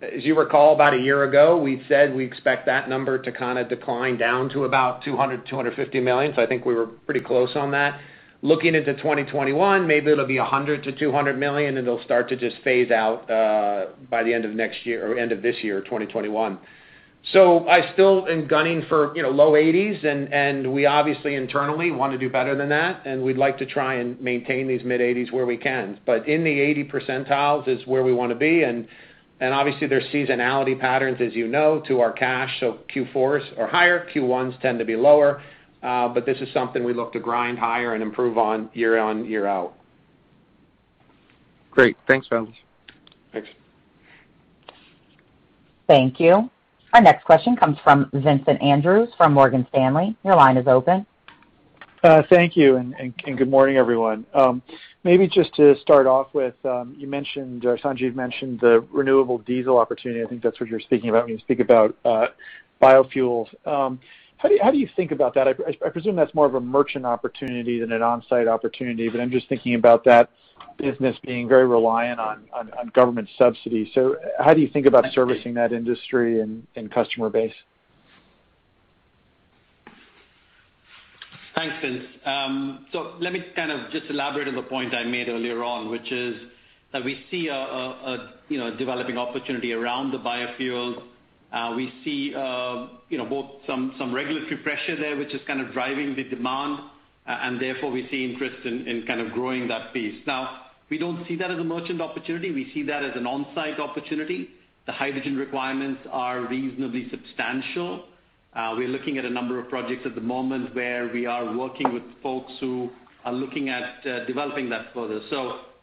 As you recall, about a year ago, we said we expect that number to decline down to about $200 million, $250 million. I think we were pretty close on that. Looking into 2021, maybe it'll be $100 million to $200 million, and it'll start to just phase out by the end of this year, 2021. I still am gunning for low 80s, and we obviously internally want to do better than that, and we'd like to try and maintain these mid-80s where we can. In the 80 percentiles is where we want to be, and obviously, there's seasonality patterns, as you know, to our cash. Q4s are higher, Q1s tend to be lower. This is something we look to grind higher and improve on year in, year out. Great. Thanks, Matt. Thanks. Thank you. Our next question comes from Vincent Andrews from Morgan Stanley. Your line is open. Thank you. Good morning, everyone. Maybe just to start off with, Sanjiv mentioned the renewable diesel opportunity. I think that's what you're speaking about when you speak about biofuels. How do you think about that? I presume that's more of a merchant opportunity than an on-site opportunity, but I'm just thinking about that business being very reliant on government subsidies. How do you think about servicing that industry and customer base? Thanks, Vince. Let me just elaborate on the point I made earlier on, which is that we see a developing opportunity around the biofuels. We see both some regulatory pressure there, which is kind of driving the demand, and therefore, we see interest in growing that piece. Now, we don't see that as a merchant opportunity. We see that as an on-site opportunity. The hydrogen requirements are reasonably substantial. We're looking at a number of projects at the moment where we are working with folks who are looking at developing that further.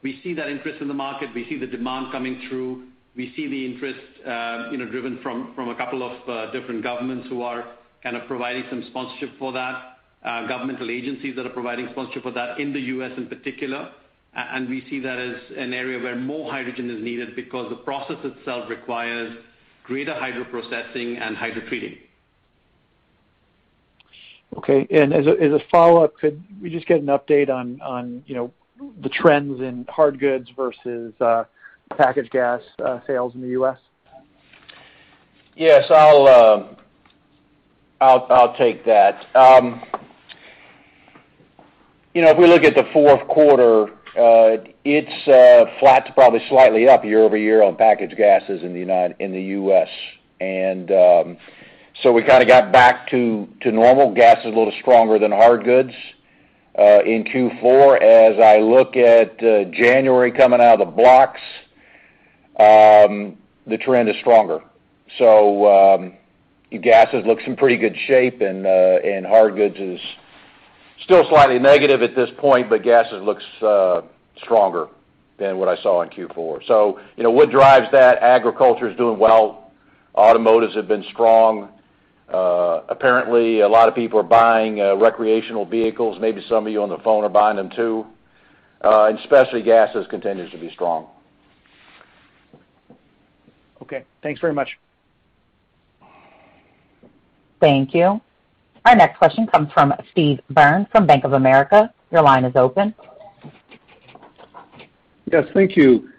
We see that interest in the market. We see the demand coming through. We see the interest driven from a couple of different governments who are providing some sponsorship for that, governmental agencies that are providing sponsorship for that in the U.S. in particular. We see that as an area where more hydrogen is needed because the process itself requires greater hydroprocessing and hydrotreating. Okay. As a follow-up, could we just get an update on the trends in hard goods versus packaged gas sales in the U.S.? Yes. I'll take that. If we look at the fourth quarter, it's flat to probably slightly up year-over-year on packaged gases in the U.S. We kind of got back to normal. Gas is a little stronger than hard goods in Q4. As I look at January coming out of the blocks, the trend is stronger. Gases looks in pretty good shape, and hard goods is still slightly negative at this point, but gases looks stronger than what I saw in Q4. What drives that? Agriculture is doing well. Automotives have been strong. Apparently, a lot of people are buying recreational vehicles. Maybe some of you on the phone are buying them, too. Especially gases continues to be strong. Okay. Thanks very much. Thank you. Our next question comes from Steve Byrne from Bank of America. Your line is open. Yes. Thank you.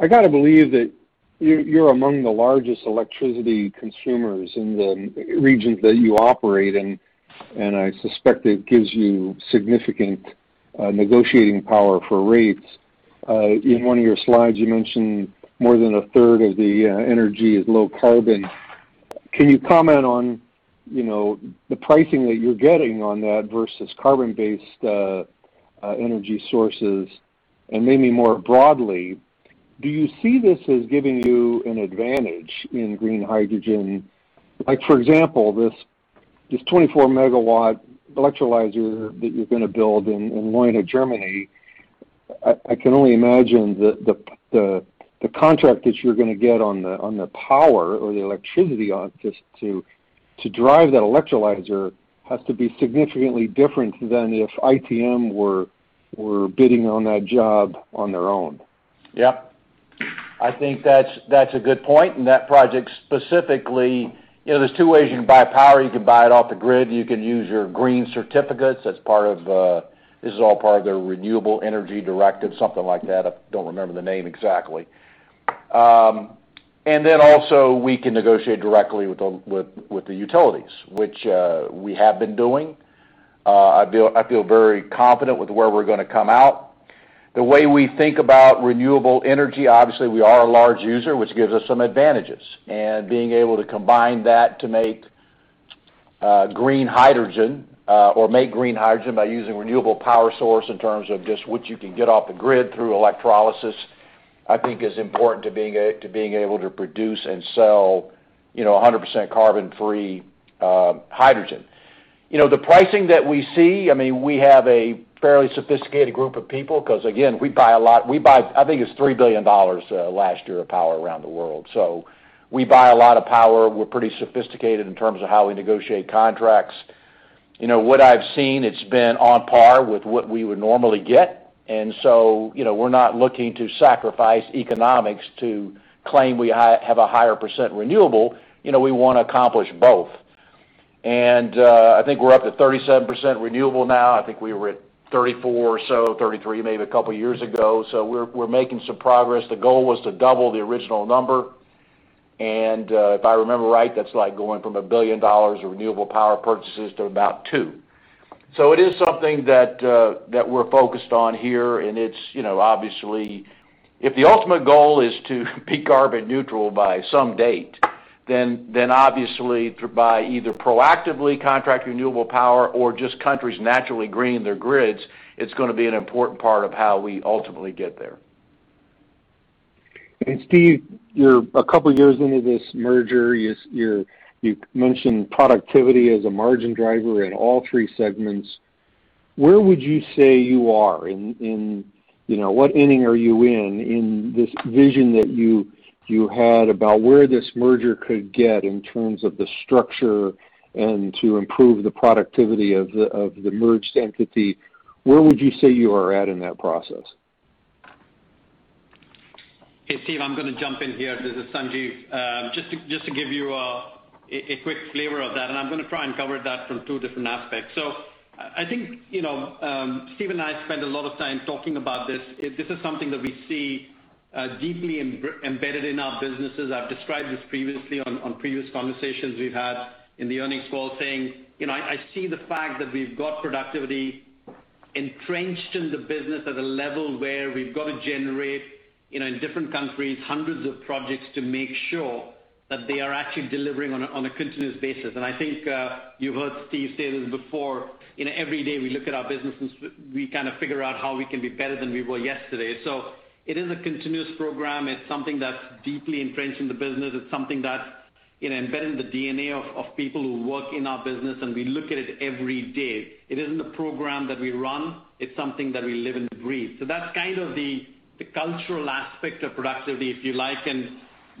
I got to believe that you're among the largest electricity consumers in the regions that you operate in, and I suspect it gives you significant negotiating power for rates. In one of your slides, you mentioned more than a third of the energy is low carbon. Can you comment on the pricing that you're getting on that versus carbon-based energy sources? Maybe more broadly, do you see this as giving you an advantage in green hydrogen? Like for example, this 24 MW electrolyzer that you're going to build in Leuna, Germany. I can only imagine that the contract that you're going to get on the power or the electricity just to drive that electrolyzer has to be significantly different than if ITM were bidding on that job on their own. Yep. I think that's a good point. That project specifically, there's two ways you can buy power. You can buy it off the grid. You can use your green certificates. This is all part of their Renewable Energy Directive, something like that. I don't remember the name exactly. Also, we can negotiate directly with the utilities, which we have been doing. I feel very confident with where we're going to come out. The way we think about renewable energy, obviously, we are a large user, which gives us some advantages. Being able to combine that to make green hydrogen, or make green hydrogen by using renewable power source in terms of just what you can get off the grid through electrolysis, I think is important to being able to produce and sell 100% carbon-free hydrogen. The pricing that we see, we have a fairly sophisticated group of people because, again, we buy a lot. We buy, I think it's $3 billion last year of power around the world. We buy a lot of power. We're pretty sophisticated in terms of how we negotiate contracts. What I've seen, it's been on par with what we would normally get. We're not looking to sacrifice economics to claim we have a higher percent renewable. We want to accomplish both. I think we're up to 37% renewable now. I think we were at 34 or so, 33 maybe a couple of years ago. We're making some progress. The goal was to double the original number. If I remember right, that's like going from $1 billion of renewable power purchases to about $2 billion. It is something that we're focused on here, and obviously, if the ultimate goal is to be carbon neutral by some date, then obviously, by either proactively contract renewable power or just countries naturally greening their grids, it's going to be an important part of how we ultimately get there. Steve, you're a couple of years into this merger. You mentioned productivity as a margin driver in all three segments. Where would you say you are in what inning are you in this vision that you had about where this merger could get in terms of the structure and to improve the productivity of the merged entity? Where would you say you are at in that process? Hey, Steve, I'm going to jump in here. This is Sanjiv. Just to give you a quick flavor of that. I'm going to try and cover that from two different aspects. I think Steve and I spend a lot of time talking about this. This is something that we see deeply embedded in our businesses. I've described this previously on previous conversations we've had in the earnings call saying, I see the fact that we've got productivity entrenched in the business at a level where we've got to generate, in different countries, hundreds of projects to make sure that they are actually delivering on a continuous basis. I think you've heard Steve say this before. Every day we look at our business, we kind of figure out how we can be better than we were yesterday. It is a continuous program. It's something that's deeply entrenched in the business. It's something that's embedded in the DNA of people who work in our business, and we look at it every day. It isn't a program that we run. It's something that we live and breathe. That's kind of the cultural aspect of productivity, if you like.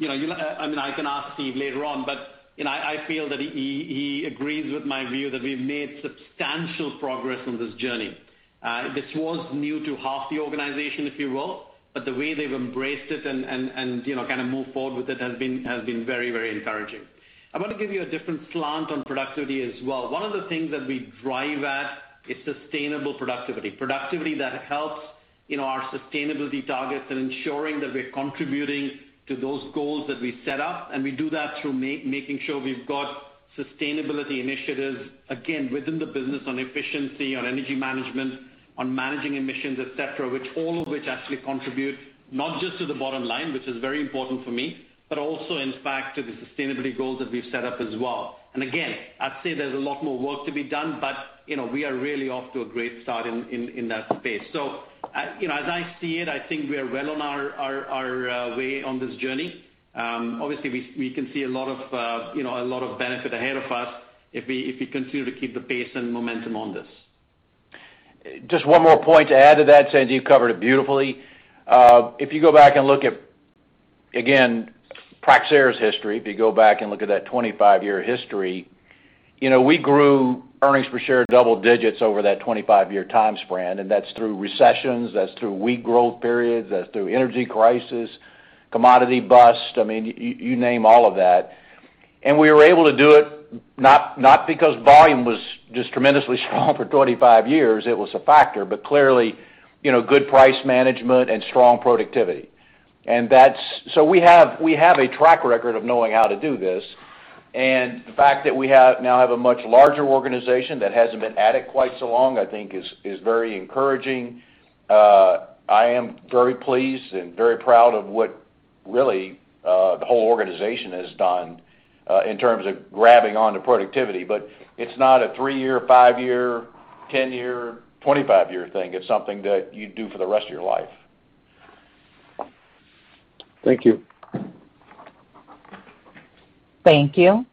I can ask Steve later on, but I feel that he agrees with my view that we've made substantial progress on this journey. This was new to half the organization, if you will, but the way they've embraced it and kind of moved forward with it has been very encouraging. I want to give you a different slant on productivity as well. One of the things that we drive at is sustainable productivity. Productivity that helps our sustainability targets and ensuring that we're contributing to those goals that we set up. We do that through making sure we've got sustainability initiatives, again, within the business on efficiency, on energy management, on managing emissions, et cetera, all of which actually contribute not just to the bottom line, which is very important for me, but also in fact, to the sustainability goals that we've set up as well. Again, I'd say there's a lot more work to be done, but we are really off to a great start in that space. As I see it, I think we are well on our way on this journey. Obviously, we can see a lot of benefit ahead of us if we continue to keep the pace and momentum on this. Just one more point to add to that, Sanjiv, you covered it beautifully. If you go back and look at, again, Praxair's history, if you go back and look at that 25-year history, we grew earnings per share double digits over that 25-year time span, and that's through recessions, that's through weak growth periods, that's through energy crisis, commodity bust. You name all of that. We were able to do it not because volume was just tremendously strong for 25 years. It was a factor, but clearly, good price management and strong productivity. We have a track record of knowing how to do this. The fact that we now have a much larger organization that hasn't been at it quite so long, I think is very encouraging. I am very pleased and very proud of what really the whole organization has done in terms of grabbing onto productivity. It's not a three-year, five-year, 10-year, 25-year thing. It's something that you do for the rest of your life. Thank you. Thank you.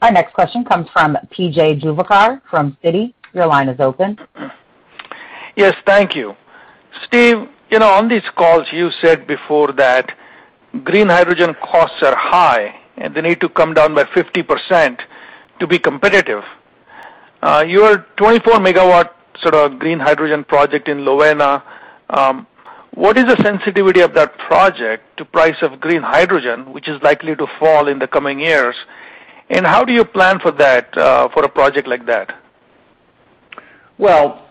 Our next question comes from P.J. Juvekar from Citi. Your line is open. Yes, thank you. Steve, on these calls, you said before that green hydrogen costs are high, and they need to come down by 50% to be competitive. Your 24-MW sort of green hydrogen project in Leuna, what is the sensitivity of that project to price of green hydrogen, which is likely to fall in the coming years? How do you plan for that for a project like that? Well,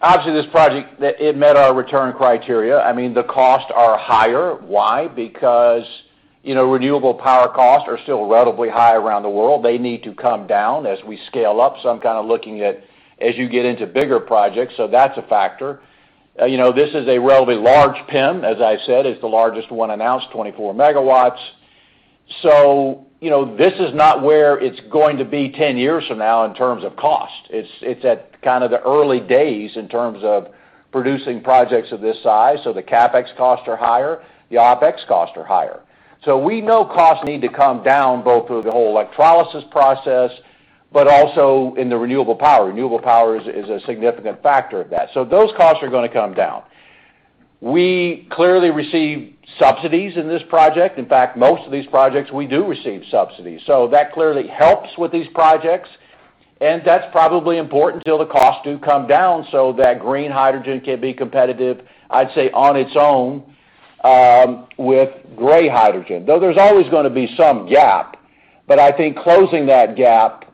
obviously, this project, it met our return criteria. The costs are higher. Why? Because renewable power costs are still relatively high around the world. They need to come down as we scale up. I'm kind of looking at as you get into bigger projects. That's a factor. This is a relatively large PEM, as I said, it's the largest one announced, 24 MW. This is not where it's going to be 10 years from now in terms of cost. It's at kind of the early days in terms of producing projects of this size. The CapEx costs are higher, the OpEx costs are higher. We know costs need to come down both through the whole electrolysis process, but also in the renewable power. Renewable power is a significant factor of that. Those costs are going to come down. We clearly receive subsidies in this project. In fact, most of these projects, we do receive subsidies. That clearly helps with these projects. That's probably important till the costs do come down so that green hydrogen can be competitive, I'd say, on its own with gray hydrogen. Though there's always going to be some gap, but I think closing that gap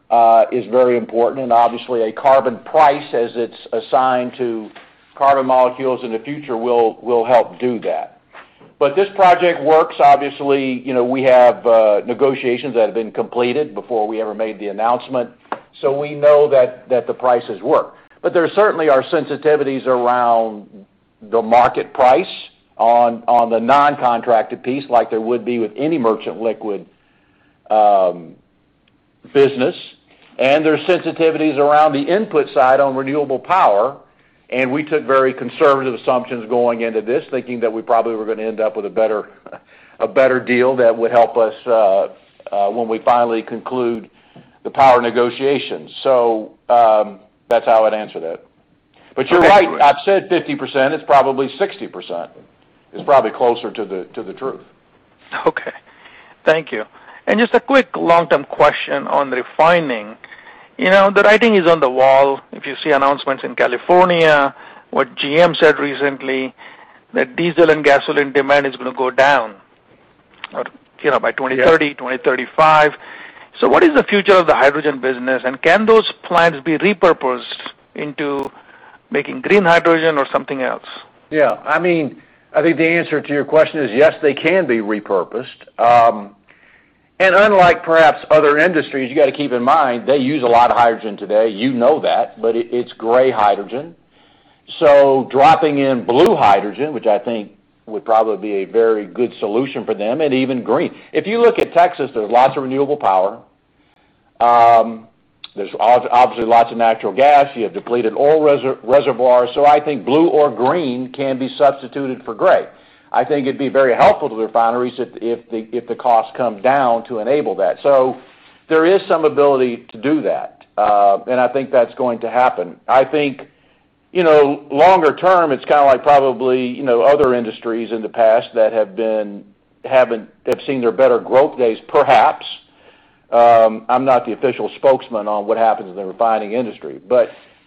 is very important. Obviously a carbon price as it's assigned to carbon molecules in the future will help do that. This project works. Obviously, we have negotiations that have been completed before we ever made the announcement, so we know that the prices work. There certainly are sensitivities around the market price on the non-contracted piece, like there would be with any merchant liquid business. There's sensitivities around the input side on renewable power. We took very conservative assumptions going into this, thinking that we probably were going to end up with a better deal that would help us when we finally conclude the power negotiations. That's how I'd answer that. You're right. I've said 50%, it's probably 60%, is probably closer to the truth. Okay. Thank you. Just a quick long-term question on refining. The writing is on the wall. If you see announcements in California, what GM said recently, that diesel and gasoline demand is going to go down by 2030, 2035. What is the future of the hydrogen business, and can those plants be repurposed into making green hydrogen or something else? Yeah. I think the answer to your question is, yes, they can be repurposed. Unlike perhaps other industries, you got to keep in mind, they use a lot of hydrogen today. You know that, but it's gray hydrogen. Dropping in blue hydrogen, which I think would probably be a very good solution for them, and even green. If you look at Texas, there's lots of renewable power. There's obviously lots of natural gas. You have depleted oil reservoirs. I think blue or green can be substituted for gray. I think it'd be very helpful to refineries if the costs come down to enable that. There is some ability to do that. I think that's going to happen. I think longer term, it's kind of like probably other industries in the past that have seen their better growth days perhaps. I'm not the official spokesman on what happens in the refining industry.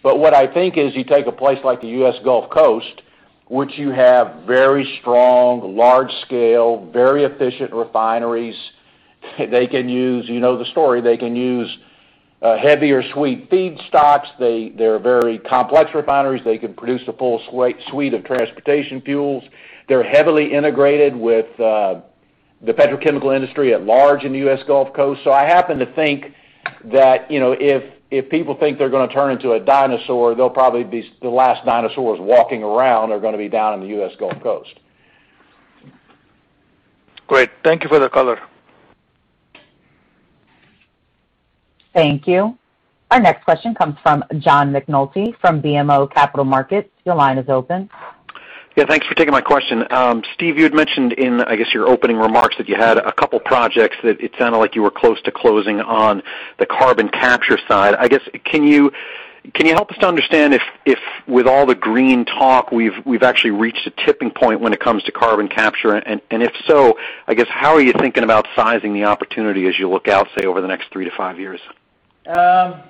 What I think is you take a place like the U.S. Gulf Coast, which you have very strong, large scale, very efficient refineries. You know the story. They can use heavier sweet feedstocks. They're very complex refineries. They can produce a full suite of transportation fuels. They're heavily integrated with the petrochemical industry at large in the U.S. Gulf Coast. I happen to think that if people think they're going to turn into a dinosaur, the last dinosaurs walking around are going to be down in the U.S. Gulf Coast. Great. Thank you for the color. Thank you. Our next question comes from John McNulty from BMO Capital Markets. Your line is open. Thanks for taking my question. Steve, you had mentioned in, I guess, your opening remarks that you had a couple projects that it sounded like you were close to closing on the carbon capture side. I guess, can you help us to understand if with all the green talk, we've actually reached a tipping point when it comes to carbon capture? If so, I guess, how are you thinking about sizing the opportunity as you look out, say, over the next three to five years? There's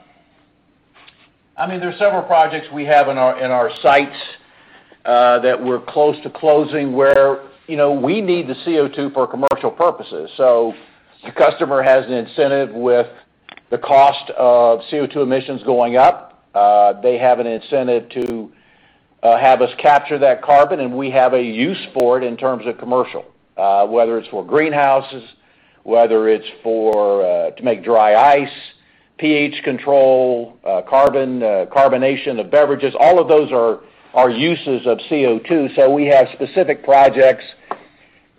several projects we have in our sites that we're close to closing where we need the CO2 for commercial purposes. The customer has an incentive with the cost of CO2 emissions going up. They have an incentive to have us capture that carbon, and we have a use for it in terms of commercial, whether it's for greenhouses, whether it's to make dry ice, pH control, carbonation of beverages. All of those are uses of CO2. We have specific projects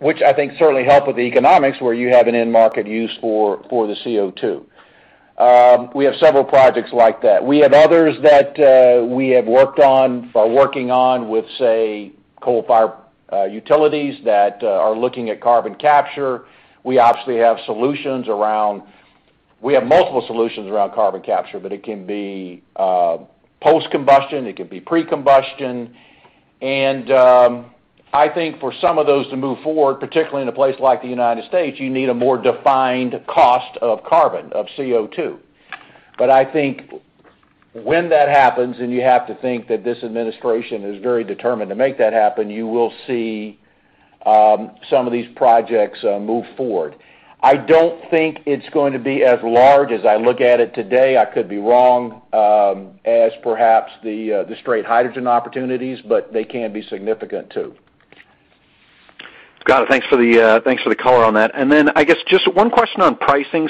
which I think certainly help with the economics, where you have an end market use for the CO2. We have several projects like that. We have others that we have worked on or are working on with, say, coal fire utilities that are looking at carbon capture. We have multiple solutions around carbon capture, but it can be post-combustion, it can be pre-combustion. I think for some of those to move forward, particularly in a place like the U.S., you need a more defined cost of carbon, of CO2. I think when that happens, and you have to think that this administration is very determined to make that happen, you will see some of these projects move forward. I don't think it's going to be as large as I look at it today, I could be wrong, as perhaps the straight hydrogen opportunities, but they can be significant too. Got it. Thanks for the color on that. I guess just one question on pricing.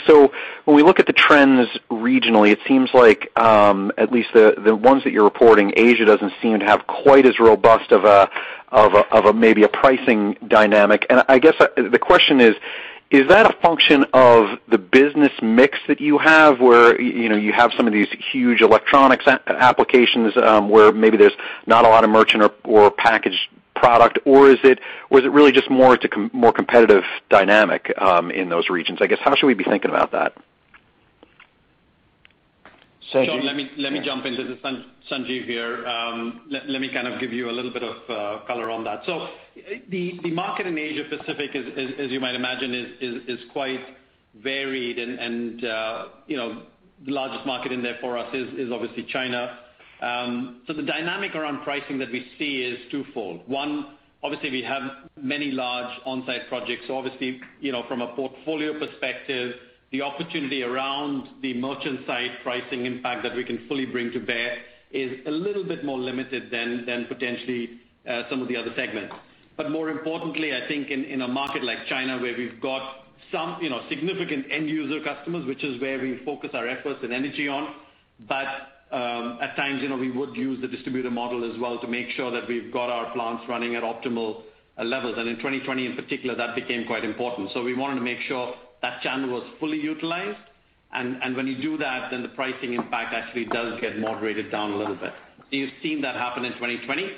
When we look at the trends regionally, it seems like, at least the ones that you're reporting, Asia doesn't seem to have quite as robust of maybe a pricing dynamic. I guess the question is: Is that a function of the business mix that you have, where you have some of these huge electronics applications, where maybe there's not a lot of merchant or packaged product? Is it really just more competitive dynamic in those regions? I guess, how should we be thinking about that? Sanjiv? John, let me jump in. This is Sanjiv here. Let me kind of give you a little bit of color on that. The market in Asia Pacific, as you might imagine, is quite varied. The largest market in there for us is obviously China. The dynamic around pricing that we see is twofold. One, obviously, we have many large on-site projects. Obviously, from a portfolio perspective, the opportunity around the merchant site pricing impact that we can fully bring to bear is a little bit more limited than potentially some of the other segments. More importantly, I think in a market like China, where we've got some significant end user customers, which is where we focus our efforts and energy on. At times, we would use the distributor model as well to make sure that we've got our plants running at optimal levels. In 2020, in particular, that became quite important. We wanted to make sure that channel was fully utilized. When you do that, then the pricing impact actually does get moderated down a little bit. You've seen that happen in 2020.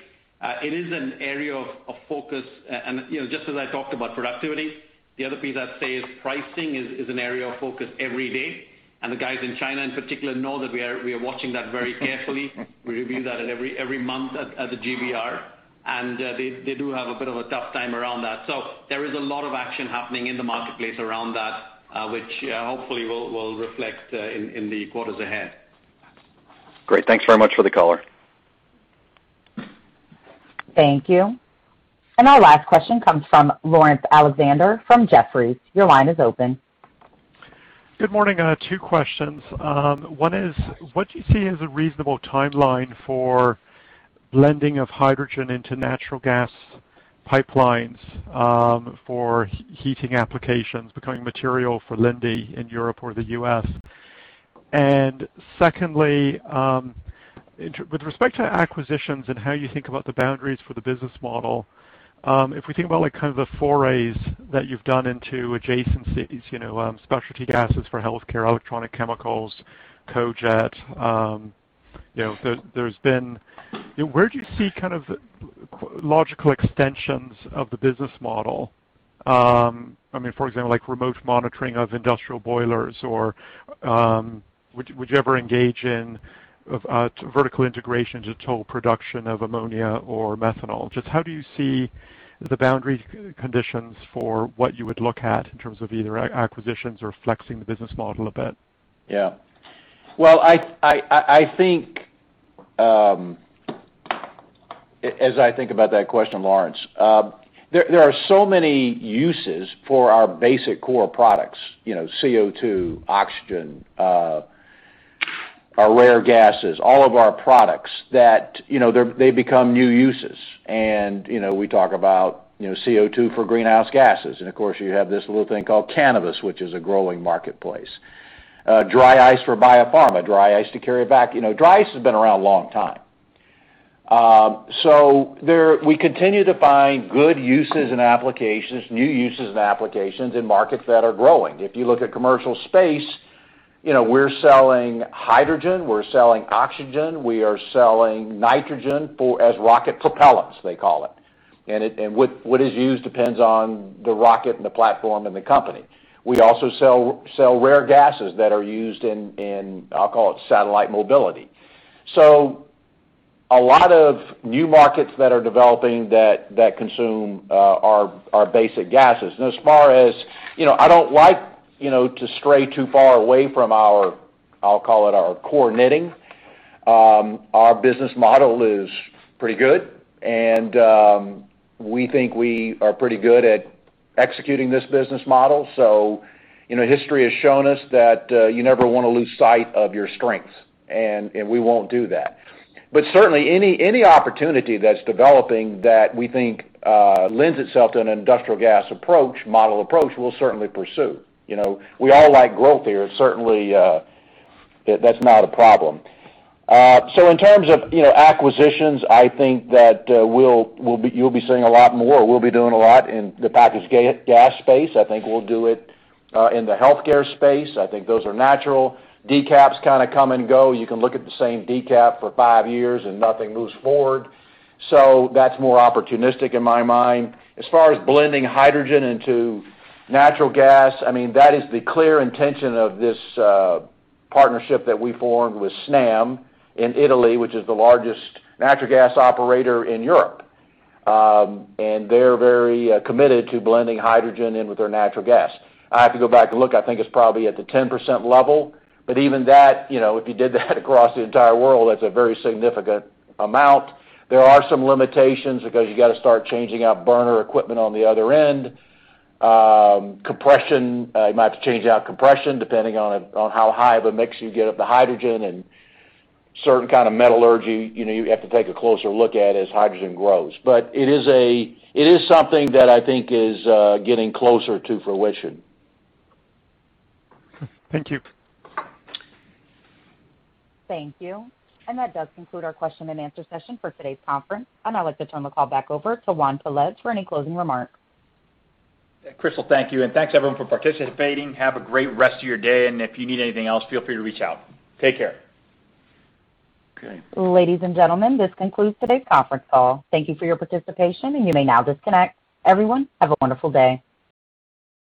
It is an area of focus. Just as I talked about productivity, the other piece I'd say is pricing is an area of focus every day. The guys in China, in particular, know that we are watching that very carefully. We review that every month at the GBR. They do have a bit of a tough time around that. There is a lot of action happening in the marketplace around that, which hopefully will reflect in the quarters ahead. Great. Thanks very much for the color. Thank you. Our last question comes from Laurence Alexander from Jefferies. Your line is open. Good morning. Two questions. One is, what do you see as a reasonable timeline for blending of hydrogen into natural gas pipelines for heating applications becoming material for Linde in Europe or the U.S.? Secondly, with respect to acquisitions and how you think about the boundaries for the business model, if we think about kind of the forays that you've done into adjacencies, specialty gases for healthcare, electronic chemicals, cogent, where do you see kind of logical extensions of the business model? For example, like remote monitoring of industrial boilers, or would you ever engage in vertical integration to total production of ammonia or methanol? Just how do you see the boundary conditions for what you would look at in terms of either acquisitions or flexing the business model a bit? Yeah. Well, as I think about that question, Laurence, there are so many uses for our basic core products, CO2, oxygen, our rare gases, all of our products that they become new uses. We talk about CO2 for greenhouse gases. Of course, you have this little thing called cannabis, which is a growing marketplace. Dry ice for biopharma, dry ice to carry back. Dry ice has been around a long time. We continue to find good uses and applications, new uses and applications in markets that are growing. If you look at commercial space, we're selling hydrogen, we're selling oxygen, we are selling nitrogen as rocket propellants, they call it. What is used depends on the rocket and the platform and the company. We also sell rare gases that are used in, I'll call it satellite mobility. A lot of new markets that are developing that consume our basic gases. I don't like to stray too far away from our, I'll call it our core knitting. Our business model is pretty good, and we think we are pretty good at executing this business model. History has shown us that you never want to lose sight of your strengths, and we won't do that. Certainly, any opportunity that's developing that we think lends itself to an industrial gas approach, model approach, we'll certainly pursue. We all like growth here. Certainly, that's not a problem. In terms of acquisitions, I think that you'll be seeing a lot more. We'll be doing a lot in the packaged gas space. I think we'll do it in the healthcare space. I think those are natural. decaps kind of come and go. You can look at the same decaps for five years, and nothing moves forward. That's more opportunistic in my mind. As far as blending hydrogen into natural gas, that is the clear intention of this partnership that we formed with Snam in Italy, which is the largest natural gas operator in Europe. They're very committed to blending hydrogen in with their natural gas. I have to go back and look. I think it's probably at the 10% level. Even that, if you did that across the entire world, that's a very significant amount. There are some limitations because you got to start changing out burner equipment on the other end. You might have to change out compression depending on how high of a mix you get of the hydrogen and certain kind of metallurgy, you have to take a closer look at as hydrogen grows. It is something that I think is getting closer to fruition. Thank you. Thank you. That does conclude our question-and answer-session for today's conference. I'd like to turn the call back over to Juan Pelaez for any closing remarks. Crystal, thank you. Thanks everyone for participating. Have a great rest of your day. If you need anything else, feel free to reach out. Take care. Okay. Ladies and gentlemen, this concludes today's conference call. Thank you for your participation, and you may now disconnect. Everyone, have a wonderful day.